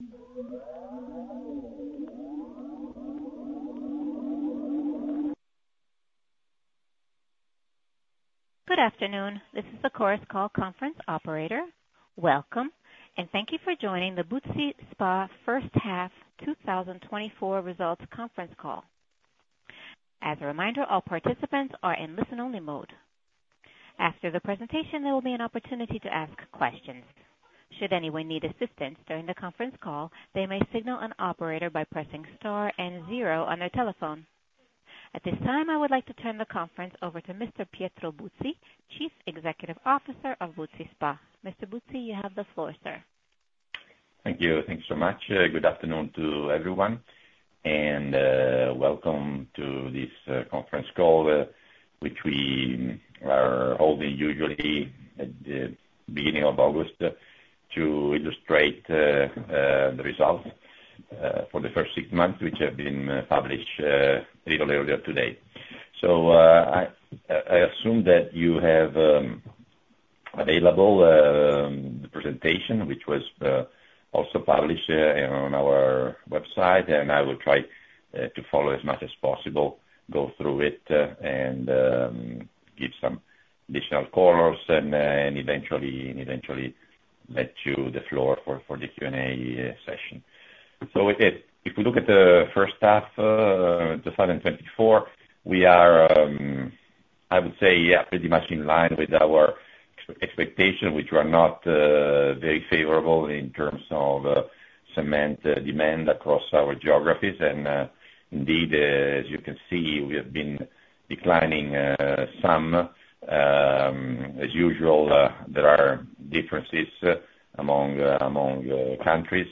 Good afternoon. This is the Chorus Call conference operator. Welcome, and thank you for joining the Buzzi S.p.A. First Half 2024 Results Conference Call. As a reminder, all participants are in listen-only mode. After the presentation, there will be an opportunity to ask questions. Should anyone need assistance during the conference call, they may signal an operator by pressing star and zero on their telephone. At this time, I would like to turn the conference over to Mr. Pietro Buzzi, Chief Executive Officer of Buzzi S.p.A. Mr. Buzzi, you have the floor, sir. Thank you. Thank you so much. Good afternoon to everyone, and welcome to this conference call, which we are holding usually at the beginning of August to illustrate the results for the first six months, which have been published a little earlier today. So I assume that you have available the presentation, which was also published on our website, and I will try to follow as much as possible, go through it, and give some additional colors, and eventually let you the floor for the Q&A session. So if we look at the first half of 2024, we are, I would say, pretty much in line with our expectations, which were not very favorable in terms of cement demand across our geographies. And indeed, as you can see, we have been declining some. As usual, there are differences among countries.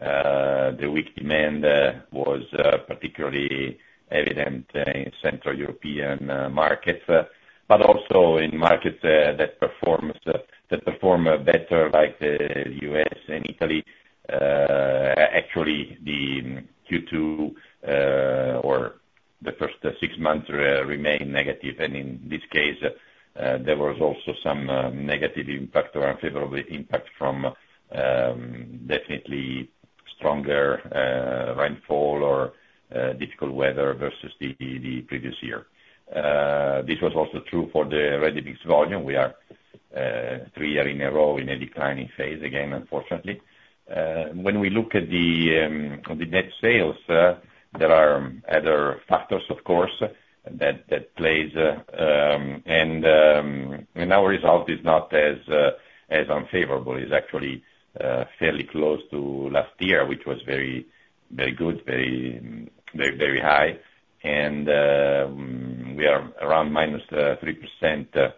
The weak demand was particularly evident in Central European markets, but also in markets that perform better, like the U.S. and Italy. Actually, the Q2 or the first six months remained negative, and in this case, there was also some negative impact or unfavorable impact from definitely stronger rainfall or difficult weather versus the previous year. This was also true for the ready-mix volume. We are three years in a row in a declining phase, again, unfortunately. When we look at the net sales, there are other factors, of course, that play, and our result is not as unfavorable. It's actually fairly close to last year, which was very good, very high, and we are around -3%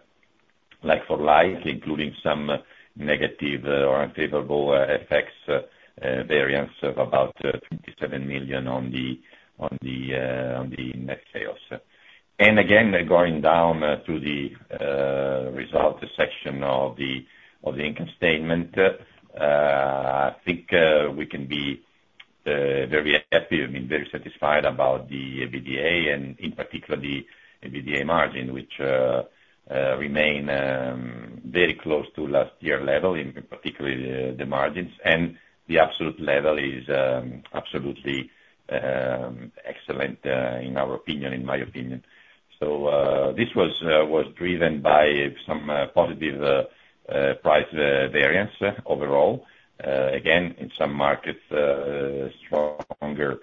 like for like, including some negative or unfavorable effects, variance of about 27 million on the net sales. And again, going down to the result section of the income statement, I think we can be very happy, I mean, very satisfied about the EBITDA, and in particular, the EBITDA margin, which remains very close to last year's level, particularly the margins, and the absolute level is absolutely excellent, in our opinion, in my opinion. So this was driven by some positive price variance overall. Again, in some markets, stronger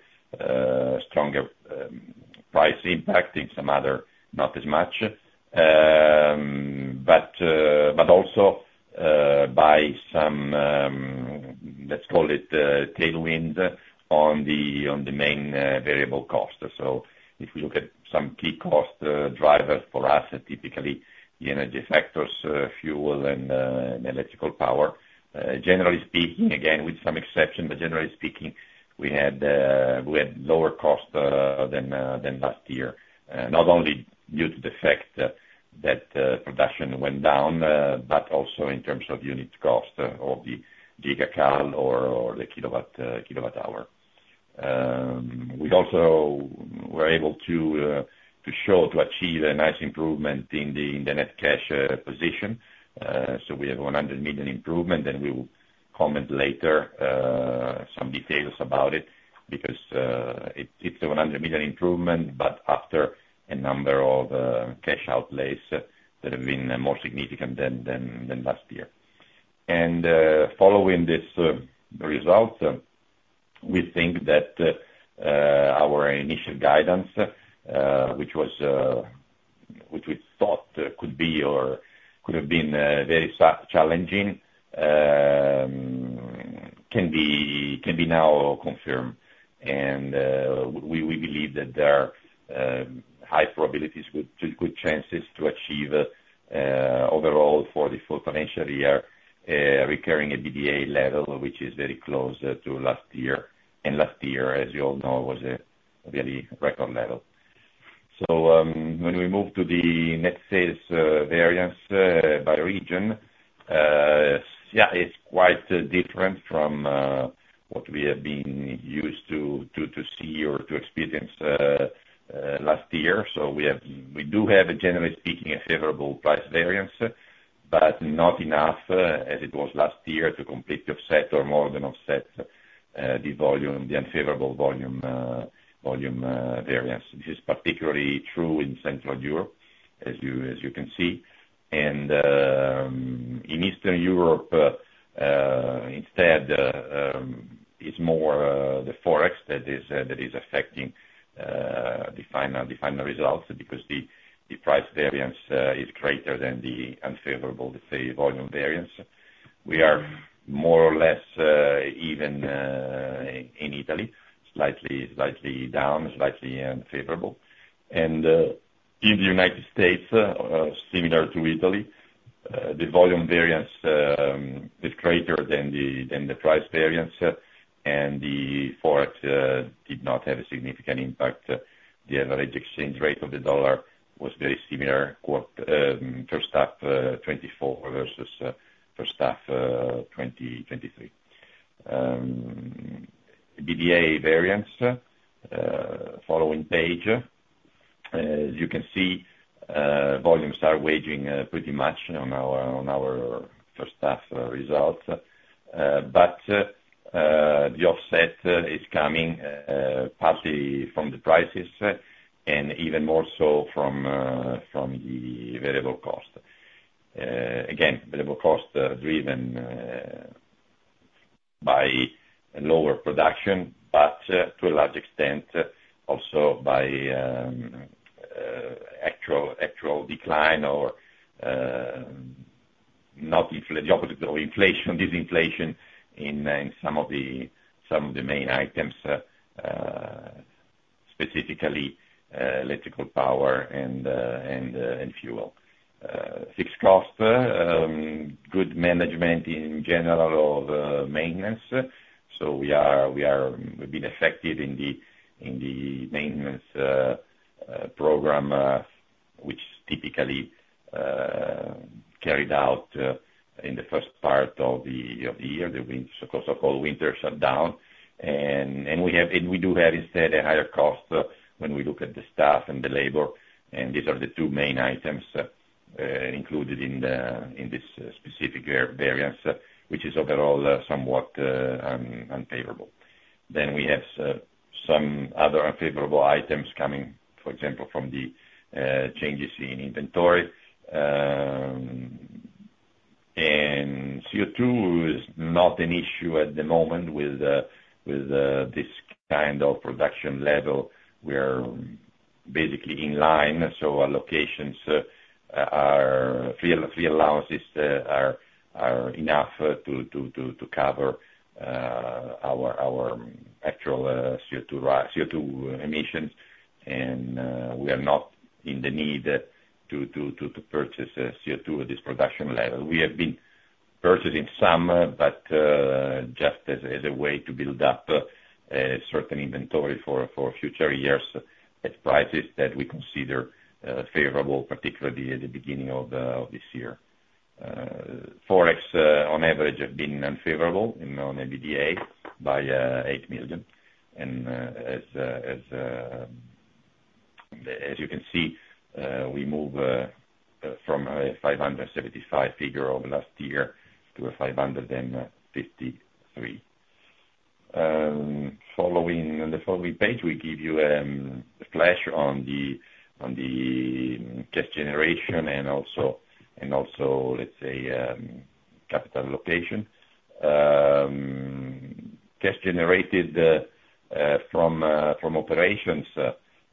price impact, in some others, not as much, but also by some, let's call it, tailwind on the main variable cost. So if we look at some key cost drivers for us, typically the energy factors, fuel and electrical power, generally speaking, again, with some exceptions, but generally speaking, we had lower cost than last year, not only due to the fact that production went down, but also in terms of unit cost of the gigacal or the kilowatt-hour. We also were able to show, to achieve a nice improvement in the net cash position. So we have a 100 million improvement, and we will comment later on some details about it because it's a 100 million improvement, but after a number of cash outlays that have been more significant than last year. And following this result, we think that our initial guidance, which we thought could be or could have been very challenging, can be now confirmed. And we believe that there are high probabilities, good chances to achieve overall for the full financial year recurring EBITDA level, which is very close to last year. And last year, as you all know, was a really record level. So when we move to the net sales variance by region, yeah, it's quite different from what we have been used to see or to experience last year. So we do have, generally speaking, a favorable price variance, but not enough as it was last year to completely offset or more than offset the unfavorable volume variance. This is particularly true in Central Europe, as you can see. And in Eastern Europe, instead, it's more the forex that is affecting the final results because the price variance is greater than the unfavorable volume variance. We are more or less even in Italy, slightly down, slightly unfavorable. And in the United States, similar to Italy, the volume variance is greater than the price variance, and the forex did not have a significant impact. The average exchange rate of the dollar was very similar, first half 2024 versus first half 2023. EBITDA variance, following page. As you can see, volumes are weighing pretty much on our first half results, but the offset is coming partly from the prices and even more so from the variable cost. Again, variable cost driven by lower production, but to a large extent also by actual decline or the opposite of inflation, disinflation in some of the main items, specifically electrical power and fuel. Fixed cost, good management in general of maintenance. So we've been affected in the maintenance program, which is typically carried out in the first part of the year, the so-called winter shutdown. And we do have instead a higher cost when we look at the staff and the labor, and these are the two main items included in this specific variance, which is overall somewhat unfavorable. Then we have some other unfavorable items coming, for example, from the changes in inventory. CO2 is not an issue at the moment with this kind of production level. We are basically in line, so allocations, free allowances are enough to cover our actual CO2 emissions, and we are not in the need to purchase CO2 at this production level. We have been purchasing some, but just as a way to build up certain inventory for future years at prices that we consider favorable, particularly at the beginning of this year. Forex, on average, have been unfavorable on EBITDA by EUR 8 million. As you can see, we move from a 575 figure of last year to a 553. Following the following page, we give you a flash on the cash generation and also, let's say, capital allocation. Cash generated from operations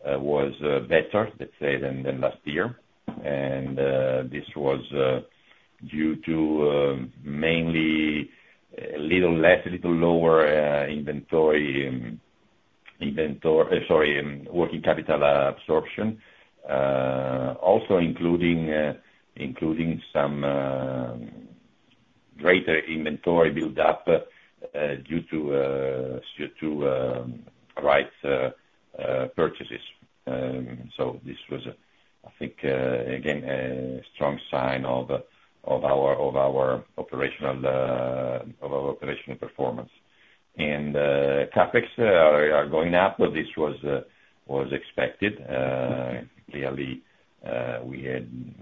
was better, let's say, than last year, and this was due to mainly a little less, a little lower inventory, sorry, working capital absorption, also including some greater inventory build-up due to rights purchases. So this was, I think, again, a strong sign of our operational performance. And CapEx are going up, but this was expected. Clearly, we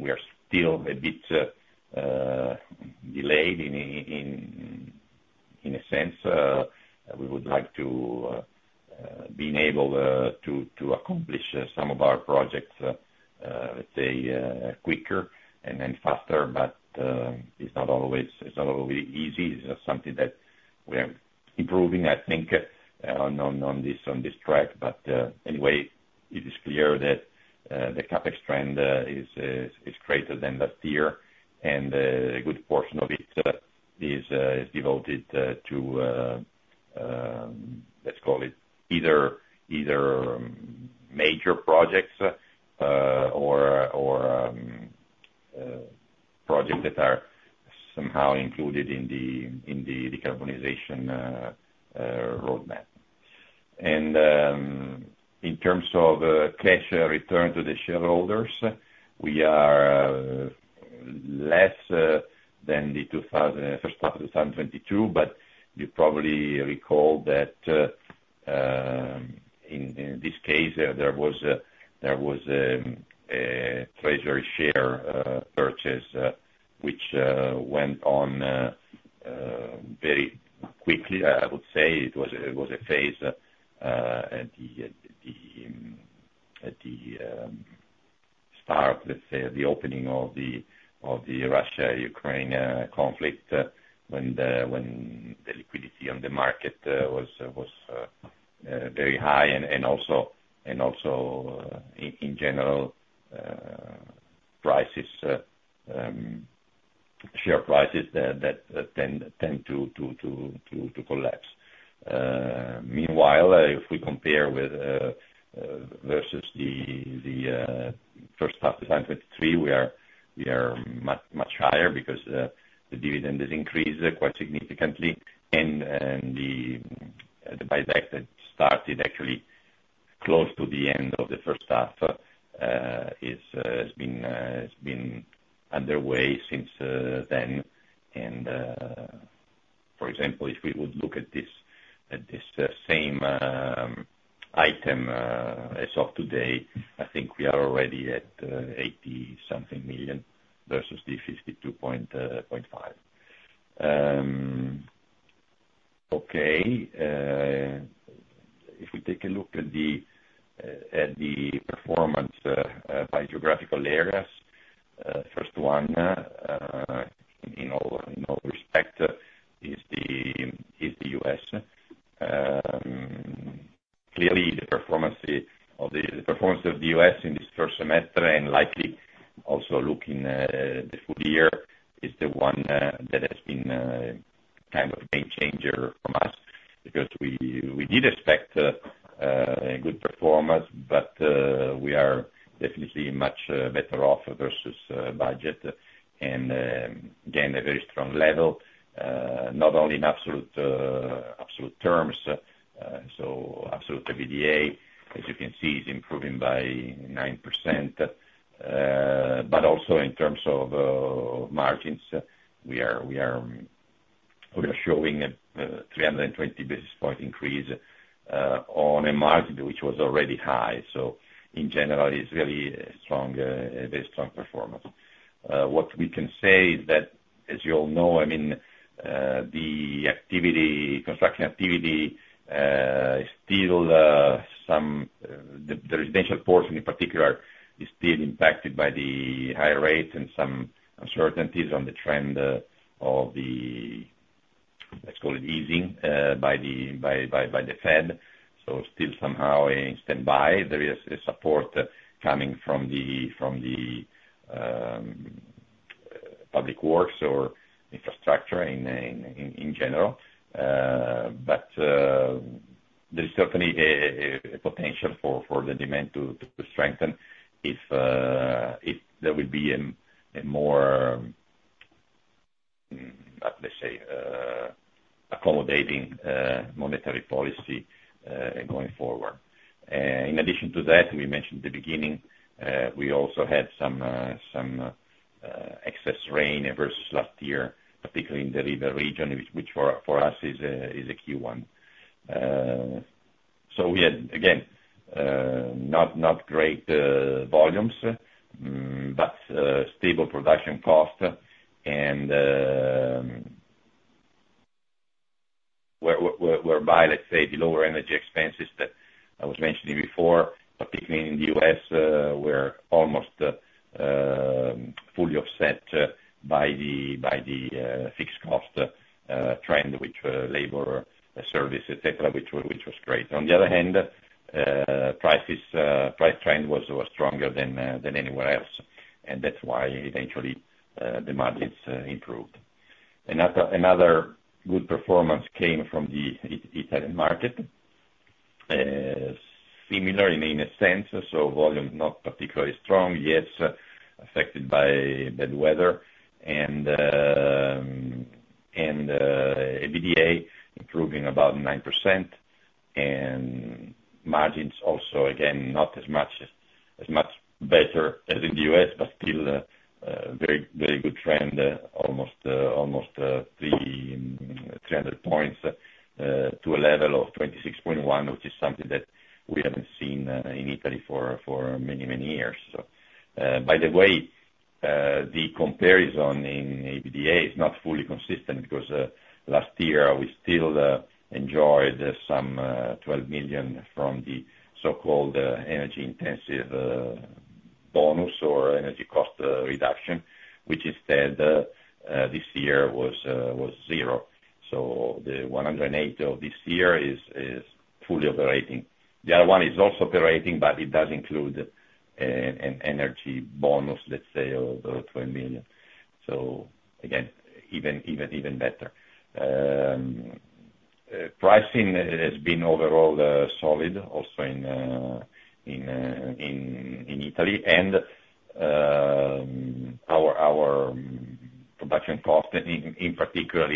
are still a bit delayed in a sense. We would like to be able to accomplish some of our projects, let's say, quicker and faster, but it's not always easy. It's something that we are improving, I think, on this track. But anyway, it is clear that the CapEx trend is greater than last year, and a good portion of it is devoted to, let's call it, either major projects or projects that are somehow included in the decarbonization roadmap. In terms of cash return to the shareholders, we are less than the first half of 2022, but you probably recall that in this case, there was a treasury share purchase which went on very quickly, I would say. It was a phase at the start, let's say, of the opening of the Russia-Ukraine conflict when the liquidity on the market was very high, and also in general, share prices that tend to collapse. Meanwhile, if we compare versus the first half of 2023, we are much higher because the dividend has increased quite significantly, and the buyback that started actually close to the end of the first half has been underway since then. For example, if we would look at this same item as of today, I think we are already at 80-something million versus the 52.5 million. Okay. If we take a look at the performance by geographical areas, the first one in all respects is the U.S. Clearly, the performance of the U.S. in this first semester, and likely also looking at the full year, is the one that has been kind of a game changer for us because we did expect good performance, but we are definitely much better off versus budget, and again, a very strong level, not only in absolute terms. So absolute EBITDA, as you can see, is improving by 9%, but also in terms of margins, we are showing a 320 basis point increase on a margin which was already high. So in general, it's really a very strong performance. What we can say is that, as you all know, I mean, the construction activity is still somewhat the residential portion in particular is still impacted by the high rate and some uncertainties on the trend of the, let's call it, easing by the Fed. So still somehow in standby. There is support coming from the public works or infrastructure in general, but there is certainly a potential for the demand to strengthen if there will be a more, let's say, accommodating monetary policy going forward. In addition to that, we mentioned at the beginning, we also had some excess rain versus last year, particularly in the River region, which for us is a key one. So we had, again, not great volumes, but stable production cost, and whereby, let's say, the lower energy expenses that I was mentioning before, particularly in the U.S., were almost fully offset by the fixed cost trend, which labor service, etc., which was great. On the other hand, price trend was stronger than anywhere else, and that's why eventually the margins improved. Another good performance came from the Italian market, similar in a sense. So volume not particularly strong, yes, affected by bad weather, and EBITDA improving about 9%, and margins also, again, not as much better as in the U.S., but still a very good trend, almost 300 points to a level of 26.1, which is something that we haven't seen in Italy for many, many years. By the way, the comparison in EBITDA is not fully consistent because last year we still enjoyed some 12 million from the so-called energy-intensive bonus or energy cost reduction, which instead this year was zero. So the 108 million of this year is fully operating. The other one is also operating, but it does include an energy bonus, let's say, of 12 million. So again, even better. Pricing has been overall solid also in Italy, and our production cost, in particular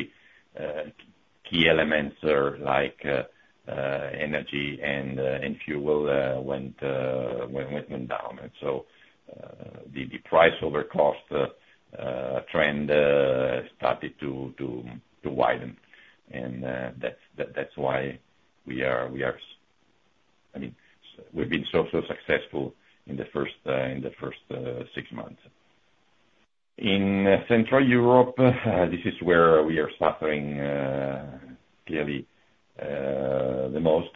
key elements like energy and fuel, went down. And so the price over cost trend started to widen, and that's why we are, I mean, we've been so successful in the first six months. In Central Europe, this is where we are suffering clearly the most.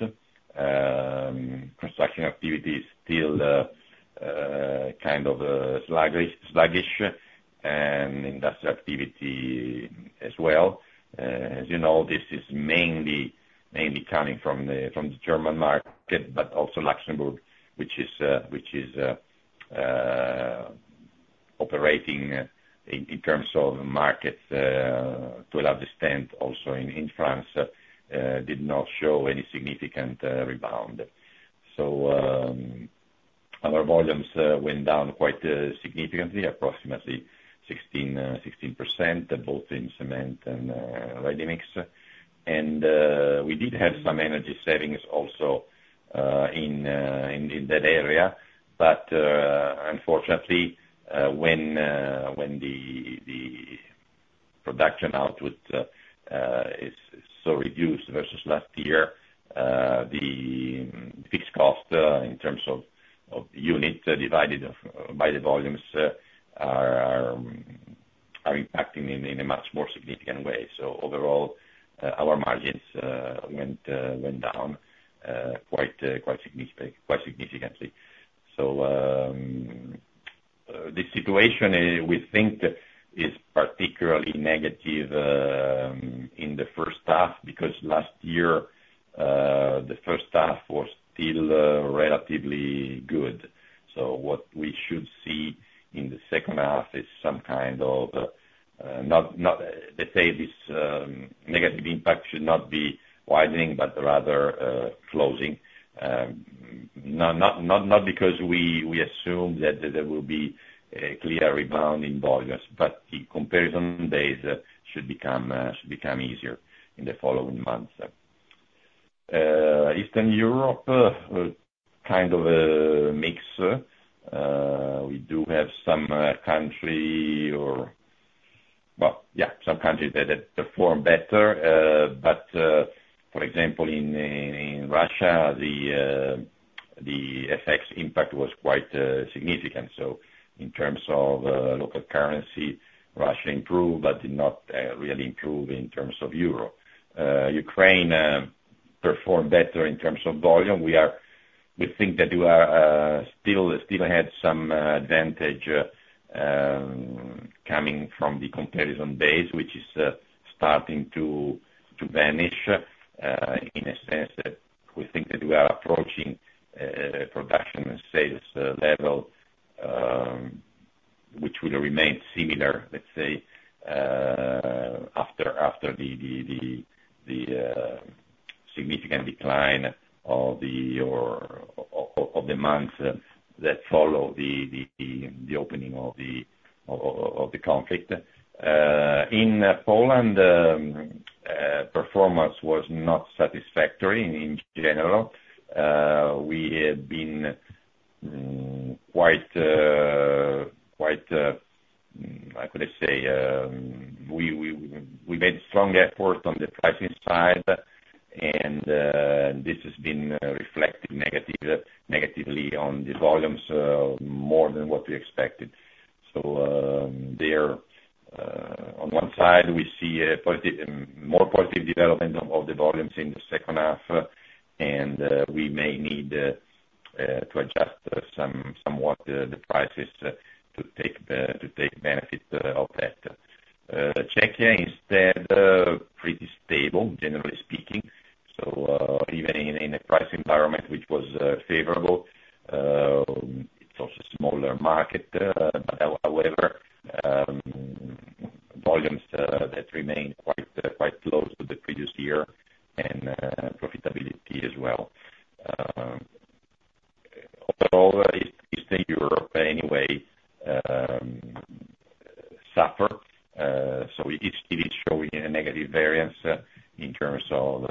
Construction activity is still kind of sluggish, and industrial activity as well. As you know, this is mainly coming from the German market, but also Luxembourg, which is operating in terms of markets to a large extent. Also in France, did not show any significant rebound. So our volumes went down quite significantly, approximately 16%, both in cement and ready mix. And we did have some energy savings also in that area, but unfortunately, when the production output is so reduced versus last year, the fixed cost in terms of unit divided by the volumes are impacting in a much more significant way. So overall, our margins went down quite significantly. So the situation we think is particularly negative in the first half because last year, the first half was still relatively good. So what we should see in the second half is some kind of, let's say, this negative impact should not be widening, but rather closing. Not because we assume that there will be a clear rebound in volumes, but in comparison, they should become easier in the following months. Eastern Europe kind of a mix. We do have some country, some countries that perform better, but for example, in Russia, the effects impact was quite significant. So in terms of local currency, Russia improved, but did not really improve in terms of euro. Ukraine performed better in terms of volume. We think that we still had some advantage coming from the comparison base, which is starting to vanish in a sense that we think that we are approaching production and sales level, which will remain similar, let's say, after the significant decline of the months that followed the opening of the conflict. In Poland, performance was not satisfactory in general. We have been quite, I would say, we made strong efforts on the pricing side, and this has been reflected negatively on the volumes more than what we expected. So there, on one side, we see more positive development of the volumes in the second half, and we may need to adjust somewhat the prices to take benefit of that. Czechia, instead, [is] pretty stable, generally speaking. So even in a price environment which was favorable, it's also a smaller market. However, volumes that remain quite close to the previous year and profitability as well. Overall, Eastern Europe anyway suffered. So it is showing a negative variance in terms of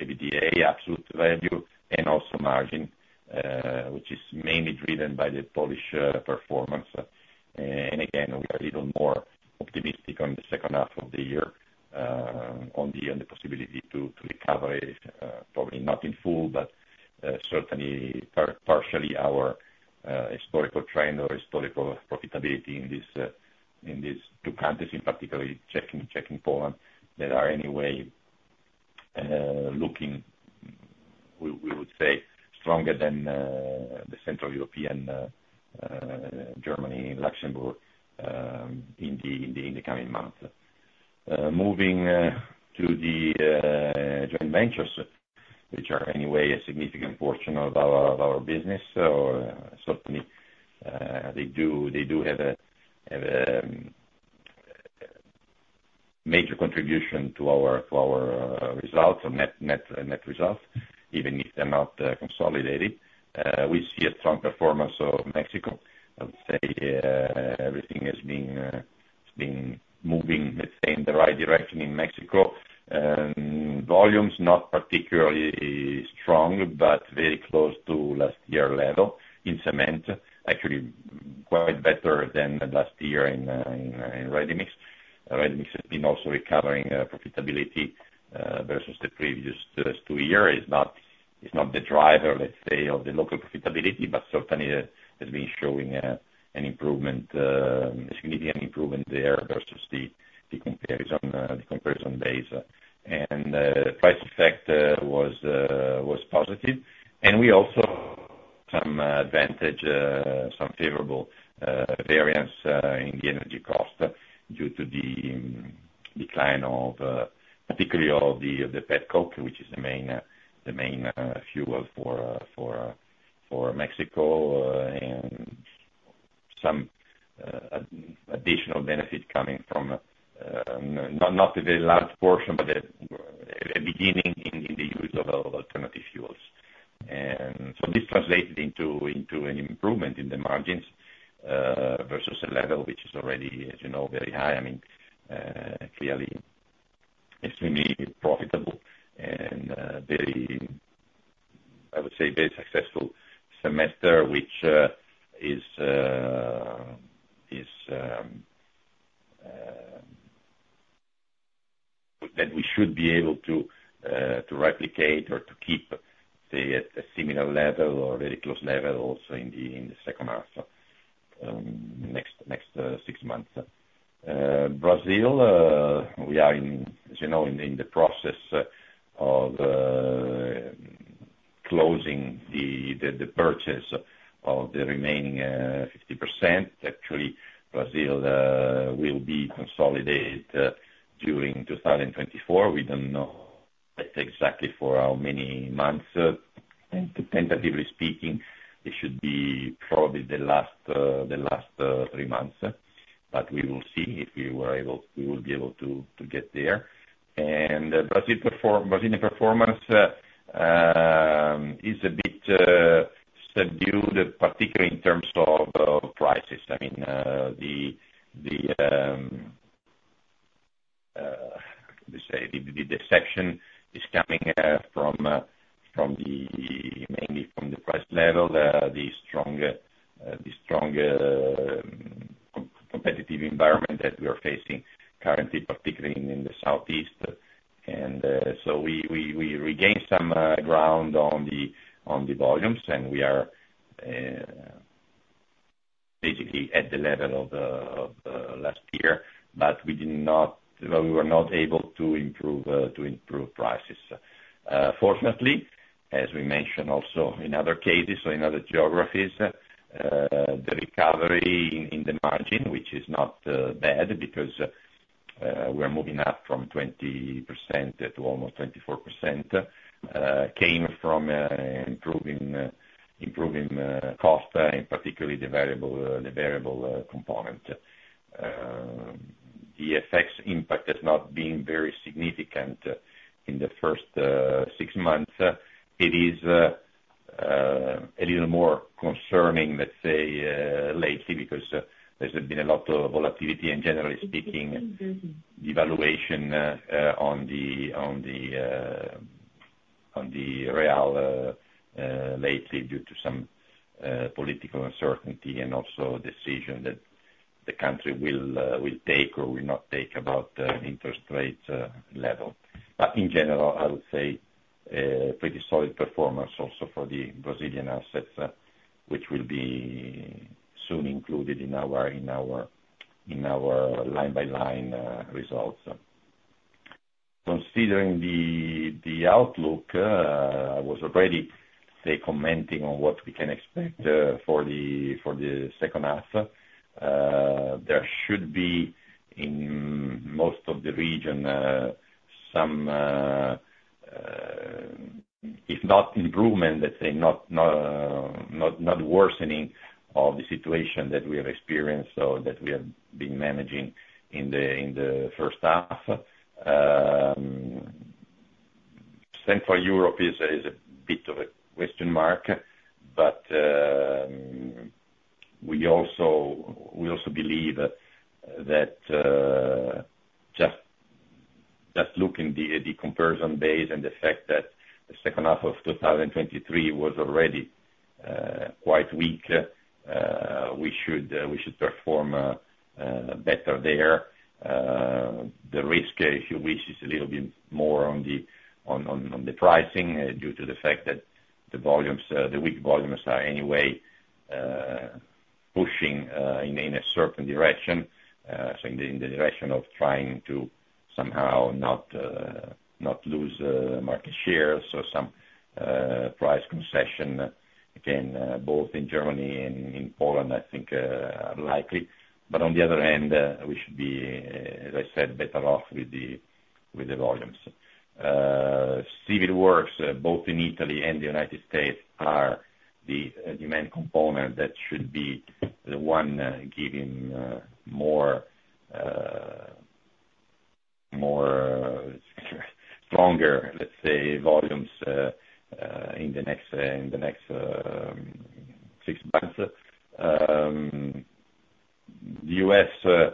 EBITDA, absolute value, and also margin, which is mainly driven by the Polish performance. Again, we are a little more optimistic on the second half of the year on the possibility to recover, probably not in full, but certainly partially our historical trend or historical profitability in these two countries, particularly Czechia and Poland, that are anyway looking, we would say, stronger than the Central European Germany, Luxembourg, in the coming months. Moving to the joint ventures, which are anyway a significant portion of our business, or certainly they do have a major contribution to our results, net results, even if they're not consolidated. We see a strong performance of Mexico. I would say everything has been moving, let's say, in the right direction in Mexico. Volumes not particularly strong, but very close to last year level in cement, actually quite better than last year in ready mix. Ready mix has been also recovering profitability versus the previous two years. It's not the driver, let's say, of the local profitability, but certainly has been showing a significant improvement there versus the comparison base. Price effect was positive. We also have some advantage, some favorable variance in the energy cost due to the decline of, particularly of the petcoke, which is the main fuel for Mexico, and some additional benefit coming from not a very large portion, but at the beginning in the use of alternative fuels. So this translated into an improvement in the margins versus a level which is already, as you know, very high. I mean, clearly extremely profitable and very, I would say, very successful semester, which is that we should be able to replicate or to keep at a similar level or very close level also in the second half, next six months. Brazil, we are, as you know, in the process of closing the purchase of the remaining 50%. Actually, Brazil will be consolidated during 2024. We don't know exactly for how many months. Tentatively speaking, it should be probably the last three months, but we will see if we were able to get there. And Brazilian performance is a bit subdued, particularly in terms of prices. I mean, the, how to say, the deception is coming from mainly from the price level, the strong competitive environment that we are facing currently, particularly in the Southeast. And so we regained some ground on the volumes, and we are basically at the level of last year, but we were not able to improve prices. Fortunately, as we mentioned also in other cases or in other geographies, the recovery in the margin, which is not bad because we are moving up from 20% to almost 24%, came from improving cost, and particularly the variable component. The FX impact has not been very significant in the first six months. It is a little more concerning, let's say, lately because there's been a lot of volatility, and generally speaking, devaluation of the real lately due to some political uncertainty and also decision that the country will take or will not take about interest rate level. But in general, I would say pretty solid performance also for the Brazilian assets, which will be soon included in our line-by-line results. Considering the outlook, I was already, say, commenting on what we can expect for the second half. There should be in most of the region some, if not improvement, let's say, not worsening of the situation that we have experienced or that we have been managing in the first half. Central Europe is a bit of a question mark, but we also believe that just looking at the comparison base and the fact that the second half of 2023 was already quite weak, we should perform better there. The risk, if you wish, is a little bit more on the pricing due to the fact that the weak volumes are anyway pushing in a certain direction, in the direction of trying to somehow not lose market share. So some price concession, again, both in Germany and in Poland, I think, are likely. But on the other hand, we should be, as I said, better off with the volumes. Civil works, both in Italy and the United States, are the main component that should be the one giving more stronger, let's say, volumes in the next six months. The US,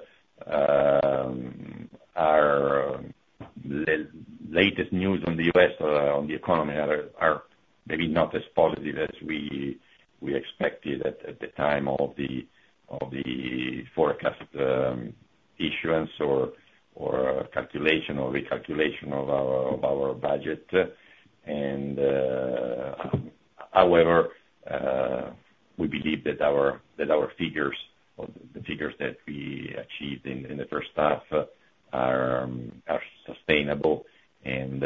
our latest news on the US, on the economy, are maybe not as positive as we expected at the time of the forecast issuance or calculation or recalculation of our budget. However, we believe that our figures, the figures that we achieved in the first half, are sustainable, and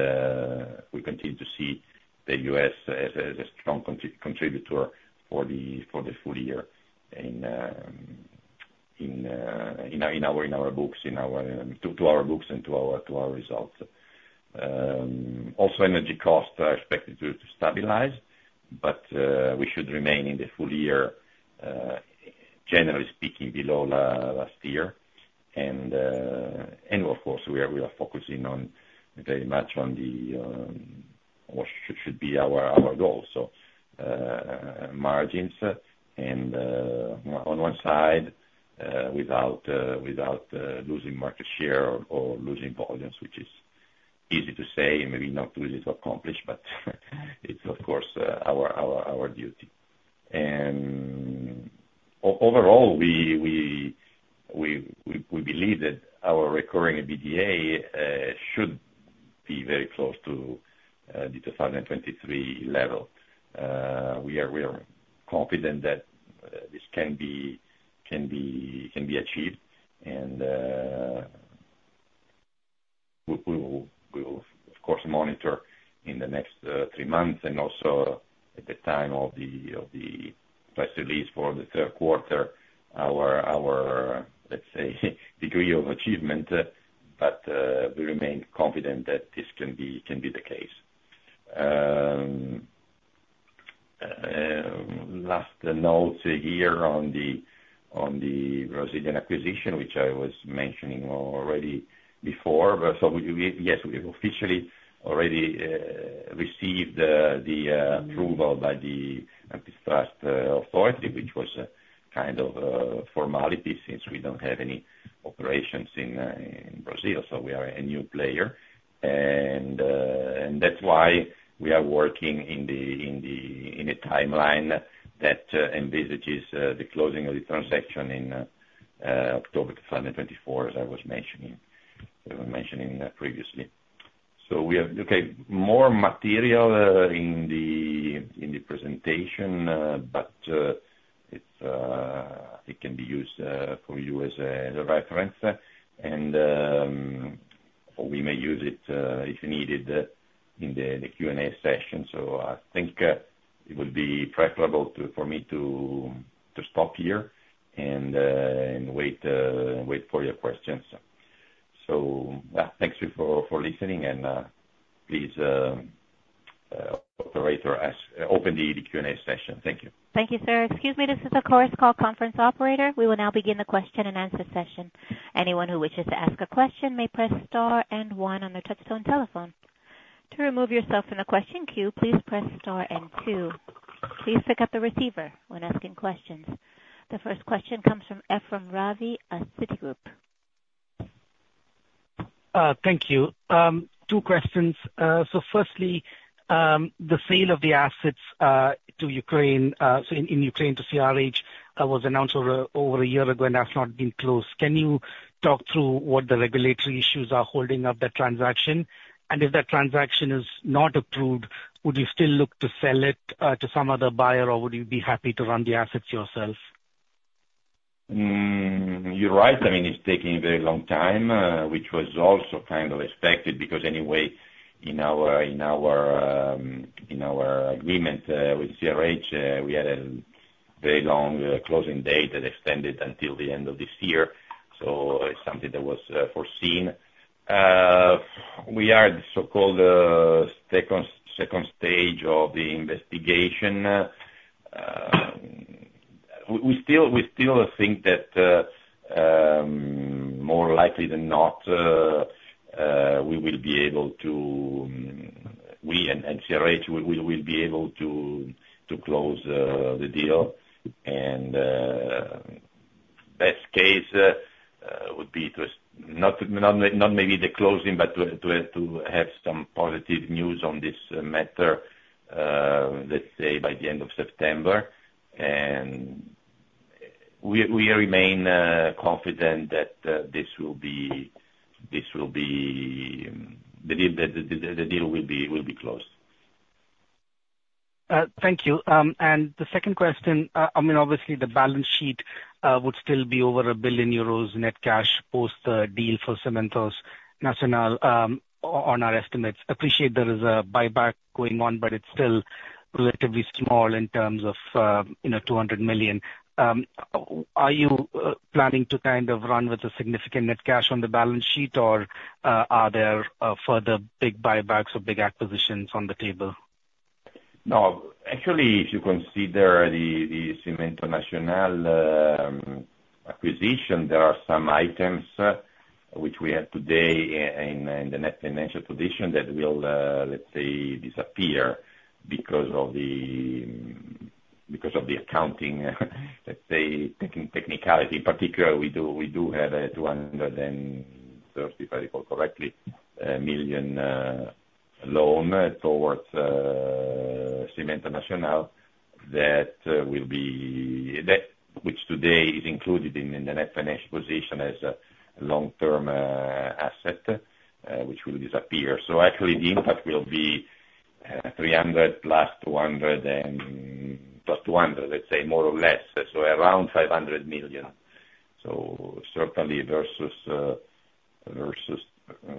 we continue to see the US as a strong contributor for the full year in our books, to our books and to our results. Also, energy costs are expected to stabilize, but we should remain in the full year, generally speaking, below last year. Of course, we are focusing very much on what should be our goal, so margins. And on one side, without losing market share or losing volumes, which is easy to say, maybe not too easy to accomplish, but it's, of course, our duty. And overall, we believe that our recurring EBITDA should be very close to the 2023 level. We are confident that this can be achieved, and we will, of course, monitor in the next three months and also at the time of the press release for the third quarter, our, let's say, degree of achievement, but we remain confident that this can be the case. Last note here on the Brazilian acquisition, which I was mentioning already before. So yes, we have officially already received the approval by the antitrust authority, which was kind of a formality since we don't have any operations in Brazil. So we are a new player. And that's why we are working in a timeline that envisages the closing of the transaction in October 2024, as I was mentioning previously. So we have, okay, more material in the presentation, but it can be used for you as a reference, and we may use it if needed in the Q&A session. So I think it would be preferable for me to stop here and wait for your questions. So thanks for listening, and please open the Q&A session. Thank you. Thank you, sir. Excuse me, this is a Chorus Call conference operator. We will now begin the question and answer session. Anyone who wishes to ask a question may press star and one on their touch-tone telephone. To remove yourself from the question queue, please press star and two. Please pick up the receiver when asking questions. The first question comes from Ephrem Ravi of Citigroup. Thank you. Two questions. So firstly, the sale of the assets to Ukraine, so in Ukraine to CRH, was announced over a year ago, and that's not been closed. Can you talk through what the regulatory issues are holding up that transaction? And if that transaction is not approved, would you still look to sell it to some other buyer, or would you be happy to run the assets yourself? You're right. I mean, it's taking a very long time, which was also kind of expected because anyway, in our agreement with CRH, we had a very long closing date that extended until the end of this year. So it's something that was foreseen. We are at the so-called second stage of the investigation. We still think that more likely than not, we will be able to, we and CRH, we will be able to close the deal. Best case would be to not maybe the closing, but to have some positive news on this matter, let's say, by the end of September. We remain confident that this will be the deal will be closed. Thank you. The second question, I mean, obviously, the balance sheet would still be over 1 billion euros net cash post the deal for Cimento Nacional on our estimates. Appreciate there is a buyback going on, but it's still relatively small in terms of 200 million. Are you planning to kind of run with a significant net cash on the balance sheet, or are there further big buybacks or big acquisitions on the table? No. Actually, if you consider the Cimento Nacional acquisition, there are some items which we have today in the financial position that will, let's say, disappear because of the accounting, let's say, technicality. In particular, we do have a 230 million loan towards Cimento Nacional that will be, which today is included in the net financial position as a long-term asset, which will disappear. So actually, the impact will be 300 million + 200 million, let's say, more or less, so around 500 million. So certainly versus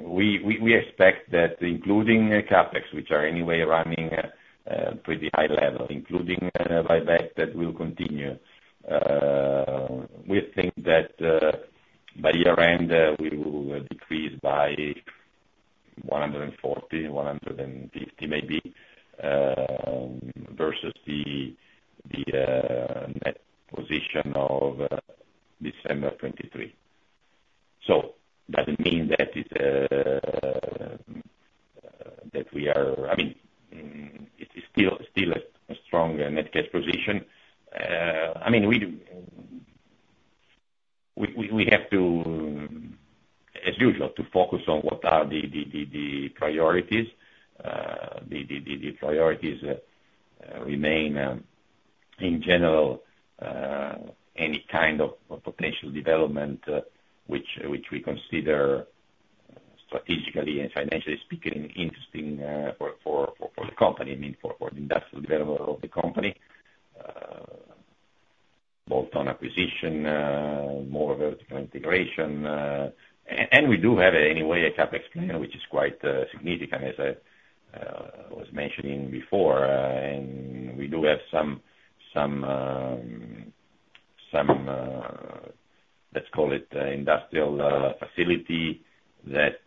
we expect that including CapEx, which are anyway running pretty high level, including buyback that will continue, we think that by year-end, we will decrease by 140 million, 150 million maybe versus the net position of December 2023. So that means that we are, I mean, it's still a strong net cash position. I mean, we have to, as usual, to focus on what are the priorities. The priorities remain, in general, any kind of potential development, which we consider strategically and financially speaking, interesting for the company, I mean, for the industrial development of the company, both on acquisition, more vertical integration. We do have anyway a CapEx plan, which is quite significant, as I was mentioning before. We do have some, let's call it, industrial facility that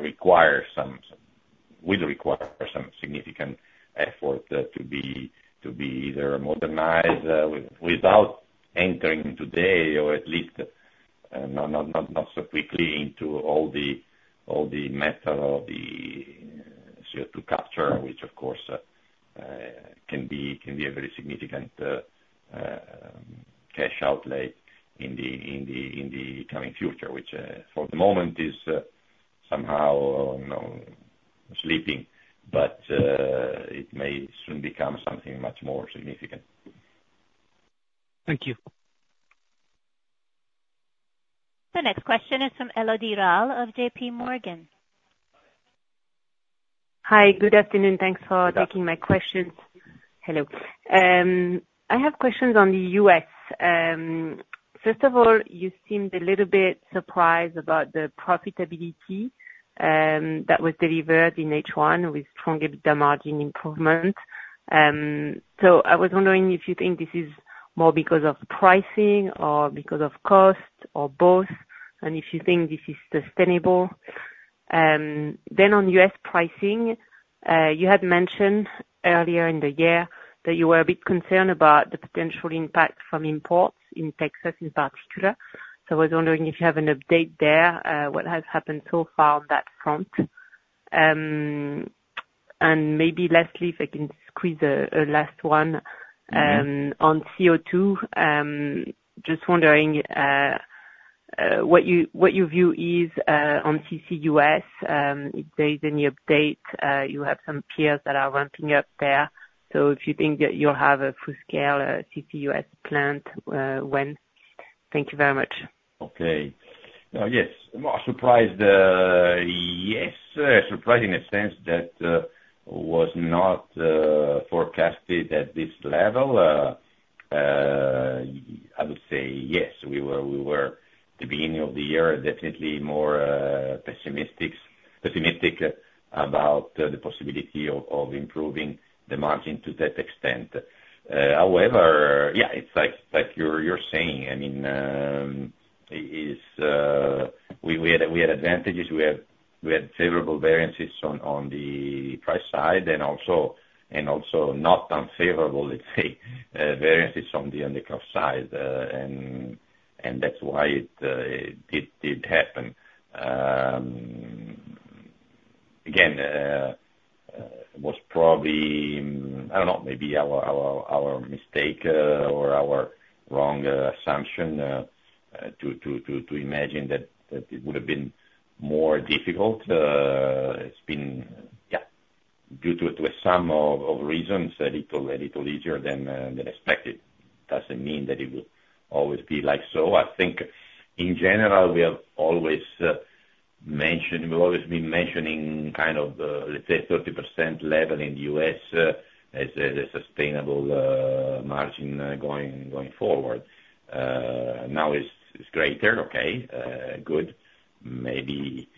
requires some, will require some significant effort to be either modernized without entering today, or at least not so quickly into all the metal or the CO2 capture, which of course can be a very significant cash outlay in the coming future, which for the moment is somehow sleeping, but it may soon become something much more significant. Thank you. The next question is from Elodie Rall of J.P. Morgan. Hi. Good afternoon. Thanks for taking my questions. Hello. I have questions on the US. First of all, you seemed a little bit surprised about the profitability that was delivered in H1 with stronger margin improvement. So I was wondering if you think this is more because of pricing or because of cost or both, and if you think this is sustainable. Then on U.S. pricing, you had mentioned earlier in the year that you were a bit concerned about the potential impact from imports in Texas in particular. So I was wondering if you have an update there, what has happened so far on that front. And maybe lastly, if I can squeeze a last one on CO2, just wondering what your view is on CCUS, if there is any update. You have some peers that are ramping up there. So if you think that you'll have a full-scale CCUS plant when. Thank you very much. Okay. Yes. Surprised, yes. Surprising in a sense that was not forecasted at this level. I would say yes, we were at the beginning of the year definitely more pessimistic about the possibility of improving the margin to that extent. However, yeah, it's like you're saying. I mean, we had advantages. We had favorable variances on the price side and also not unfavorable, let's say, variances on the cost side. And that's why it did happen. Again, it was probably, I don't know, maybe our mistake or our wrong assumption to imagine that it would have been more difficult. It's been, yeah, due to a sum of reasons, a little easier than expected. It doesn't mean that it will always be like so. I think in general, we have always mentioned we've always been mentioning kind of, let's say, 30% level in the U.S. as a sustainable margin going forward. Now it's greater. Okay. Good. Maybe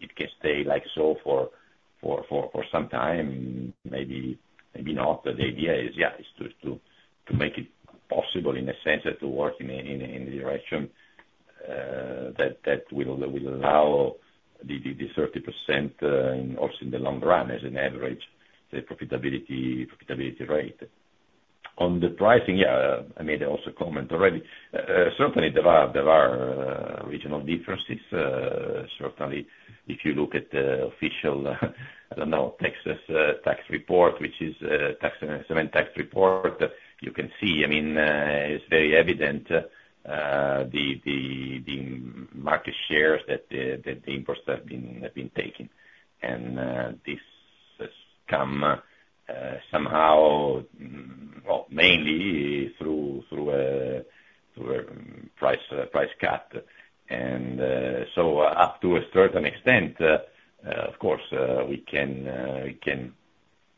it can stay like so for some time. Maybe not. But the idea is, yeah, to make it possible in a sense to work in the direction that will allow the 30% also in the long run as an average, the profitability rate. On the pricing, yeah, I made also comment already. Certainly, there are regional differences. Certainly, if you look at the official, I don't know, Texas tax report, which is a tax and assessment tax report, you can see, I mean, it's very evident the market shares that the imports have been taking. And this has come somehow, well, mainly through a price cut. And so up to a certain extent, of course, we can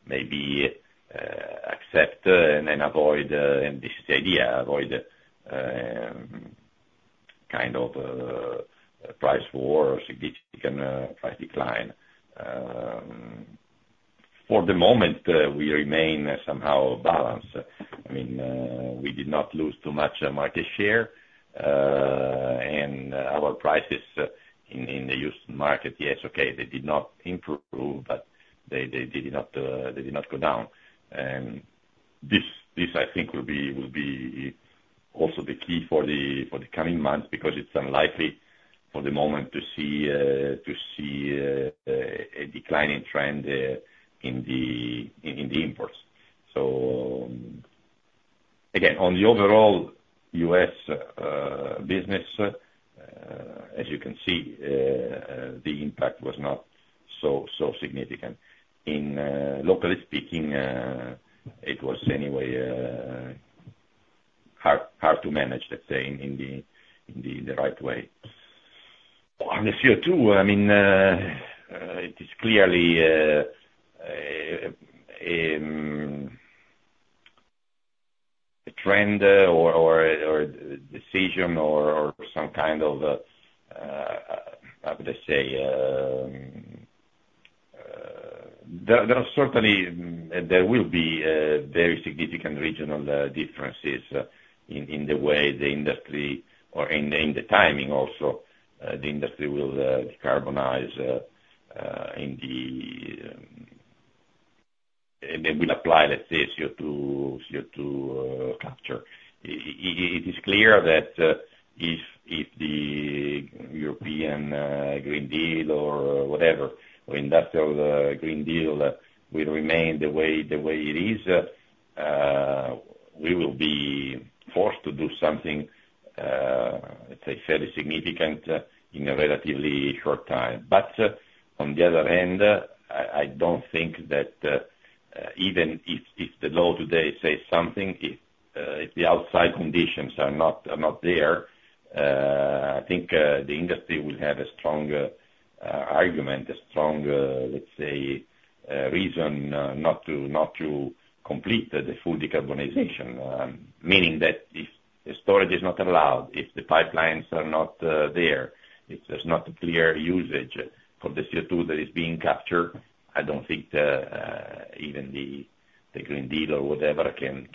maybe accept and avoid, and this is the idea, avoid kind of price war or significant price decline. For the moment, we remain somehow balanced. I mean, we did not lose too much market share. And our prices in the U.S. market, yes, okay, they did not improve, but they did not go down. And this, I think, will be also the key for the coming months because it's unlikely for the moment to see a declining trend in the imports. So again, on the overall U.S. business, as you can see, the impact was not so significant. In locally speaking, it was anyway hard to manage, let's say, in the right way. On the CO2, I mean, it is clearly a trend or a decision or some kind of, how would I say, there will be very significant regional differences in the way the industry or in the timing also the industry will decarbonize and they will apply, let's say, CO2 capture. It is clear that if the European Green Deal or whatever, or industrial Green Deal will remain the way it is, we will be forced to do something, let's say, fairly significant in a relatively short time. But on the other hand, I don't think that even if the law today says something, if the outside conditions are not there, I think the industry will have a strong argument, a strong, let's say, reason not to complete the full decarbonization. Meaning that if the storage is not allowed, if the pipelines are not there, if there's not a clear usage for the CO2 that is being captured, I don't think even the Green Deal or whatever can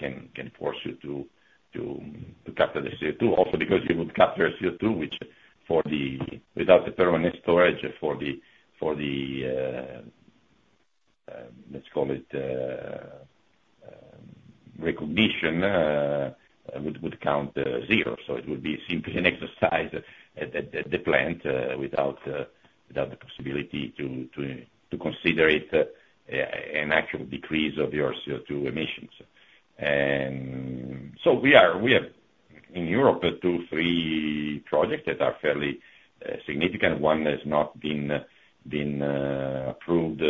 force you to capture the CO2. Also because you would capture CO2, which for the without the permanent storage for the, let's call it, recognition would count zero. So it would be simply an exercise at the plant without the possibility to consider it an actual decrease of your CO2 emissions. And so we have in Europe 2, 3 projects that are fairly significant. One has not been approved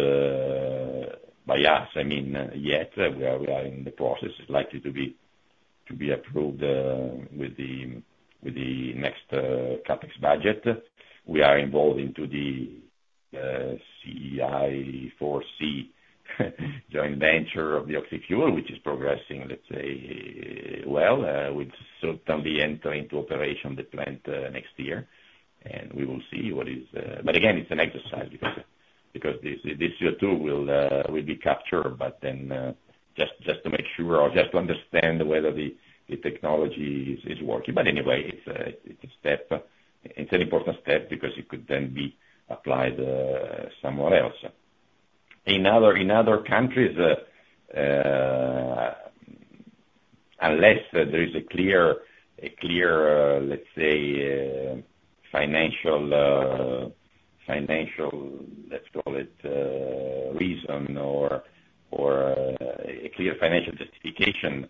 by us, I mean, yet. We are in the process. It's likely to be approved with the next CapEx budget. We are involved into the CI4C joint venture of the Oxyfuel, which is progressing, let's say, well, with certainly entering into operation the plant next year. And we will see what is but again, it's an exercise because this CO2 will be captured, but then just to make sure or just to understand whether the technology is working. But anyway, it's a step. It's an important step because it could then be applied somewhere else. In other countries, unless there is a clear, let's say, financial, let's call it, reason or a clear financial justification,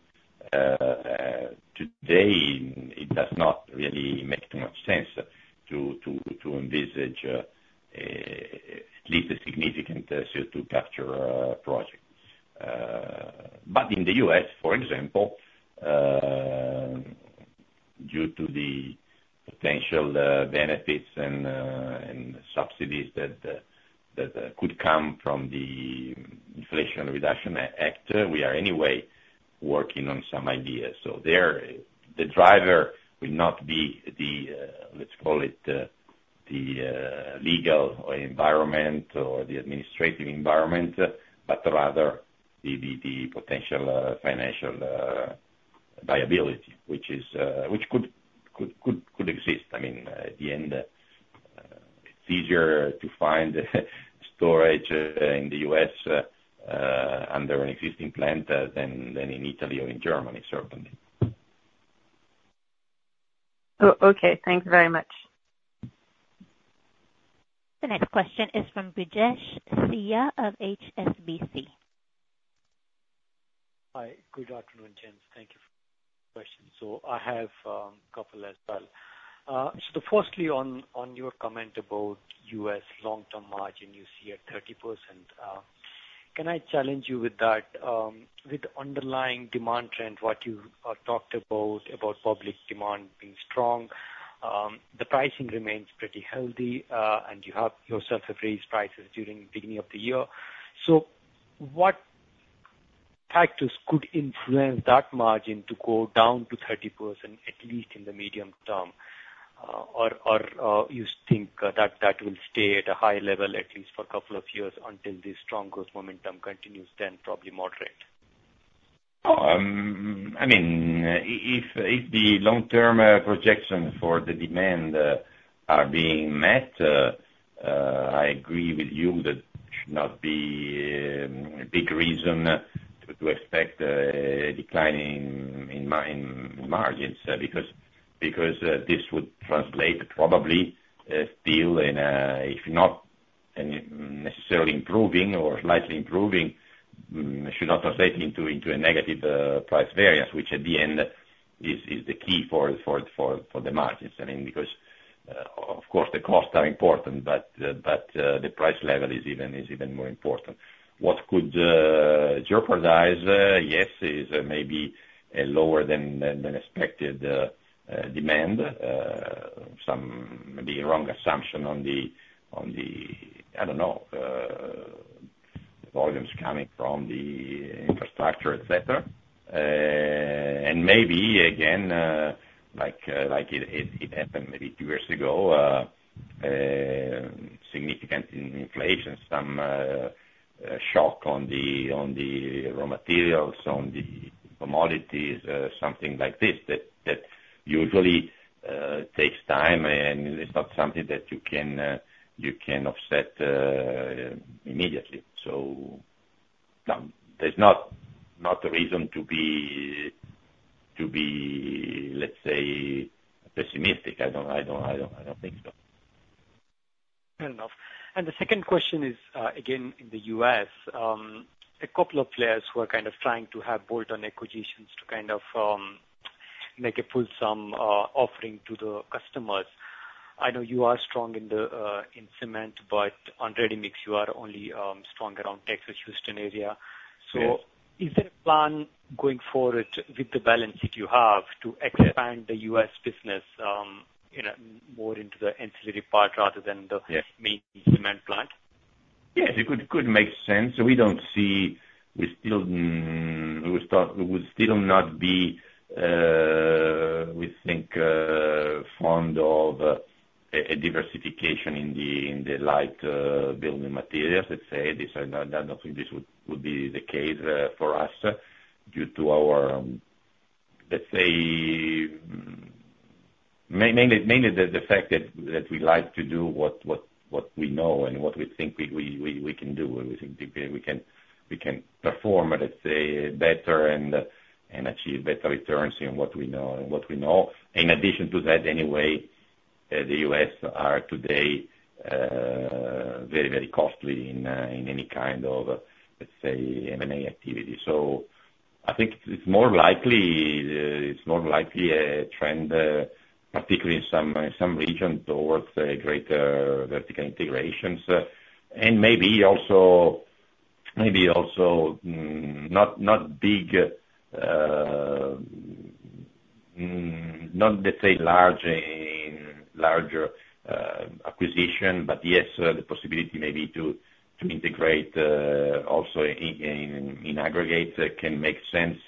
today it does not really make too much sense to envisage at least a significant CO2 capture project. But in the U.S., for example, due to the potential benefits and subsidies that could come from the Inflation Reduction Act, we are anyway working on some ideas. So there, the driver will not be the, let's call it, the legal environment or the administrative environment, but rather the potential financial viability, which could exist. I mean, at the end, it's easier to find storage in the U.S. under an existing plant than in Italy or in Germany, certainly. Okay. Thanks very much. The next question is from Brijesh Siya of HSBC. Hi. Good afternoon, James. Thank you for the question. So I have a couple as well. So firstly, on your comment about U.S. long-term margin, you see at 30%. Can I challenge you with that? With the underlying demand trend, what you talked about, about public demand being strong, the pricing remains pretty healthy, and you have yourself have raised prices during the beginning of the year. So what factors could influence that margin to go down to 30%, at least in the medium term, or you think that that will stay at a high level at least for a couple of years until the strong growth momentum continues, then probably moderate? I mean, if the long-term projections for the demand are being met, I agree with you that it should not be a big reason to expect a decline in margins because this would translate probably still in, if not necessarily improving or slightly improving, should not translate into a negative price variance, which at the end is the key for the margins. I mean, because of course, the costs are important, but the price level is even more important. What could jeopardize, yes, is maybe a lower than expected demand, some maybe wrong assumption on the, I don't know, volumes coming from the infrastructure, etc. And maybe, again, like it happened maybe two years ago, significant inflation, some shock on the raw materials, on the commodities, something like this that usually takes time, and it's not something that you can offset immediately. So there's not a reason to be, let's say, pessimistic. I don't think so. Fair enough. The second question is, again, in the U.S., a couple of players who are kind of trying to have bolt-on acquisitions to kind of make a fulsome offering to the customers. I know you are strong in cement, but on ready mix, you are only strong around Texas, Houston area. So is there a plan going forward with the balance that you have to expand the U.S. business more into the ancillary part rather than the main cement plant? Yes. It could make sense. So we don't see we would still not be, we think, fond of a diversification in the light building materials, let's say. I don't think this would be the case for us due to our, let's say, mainly the fact that we like to do what we know and what we think we can do. We think we can perform, let's say, better and achieve better returns in what we know. And in addition to that, anyway, the U.S. are today very, very costly in any kind of, let's say, M&A activity. So I think it's more likely a trend, particularly in some regions, towards greater vertical integrations. And maybe also not big, not, let's say, large acquisition, but yes, the possibility maybe to integrate also in aggregates can make sense,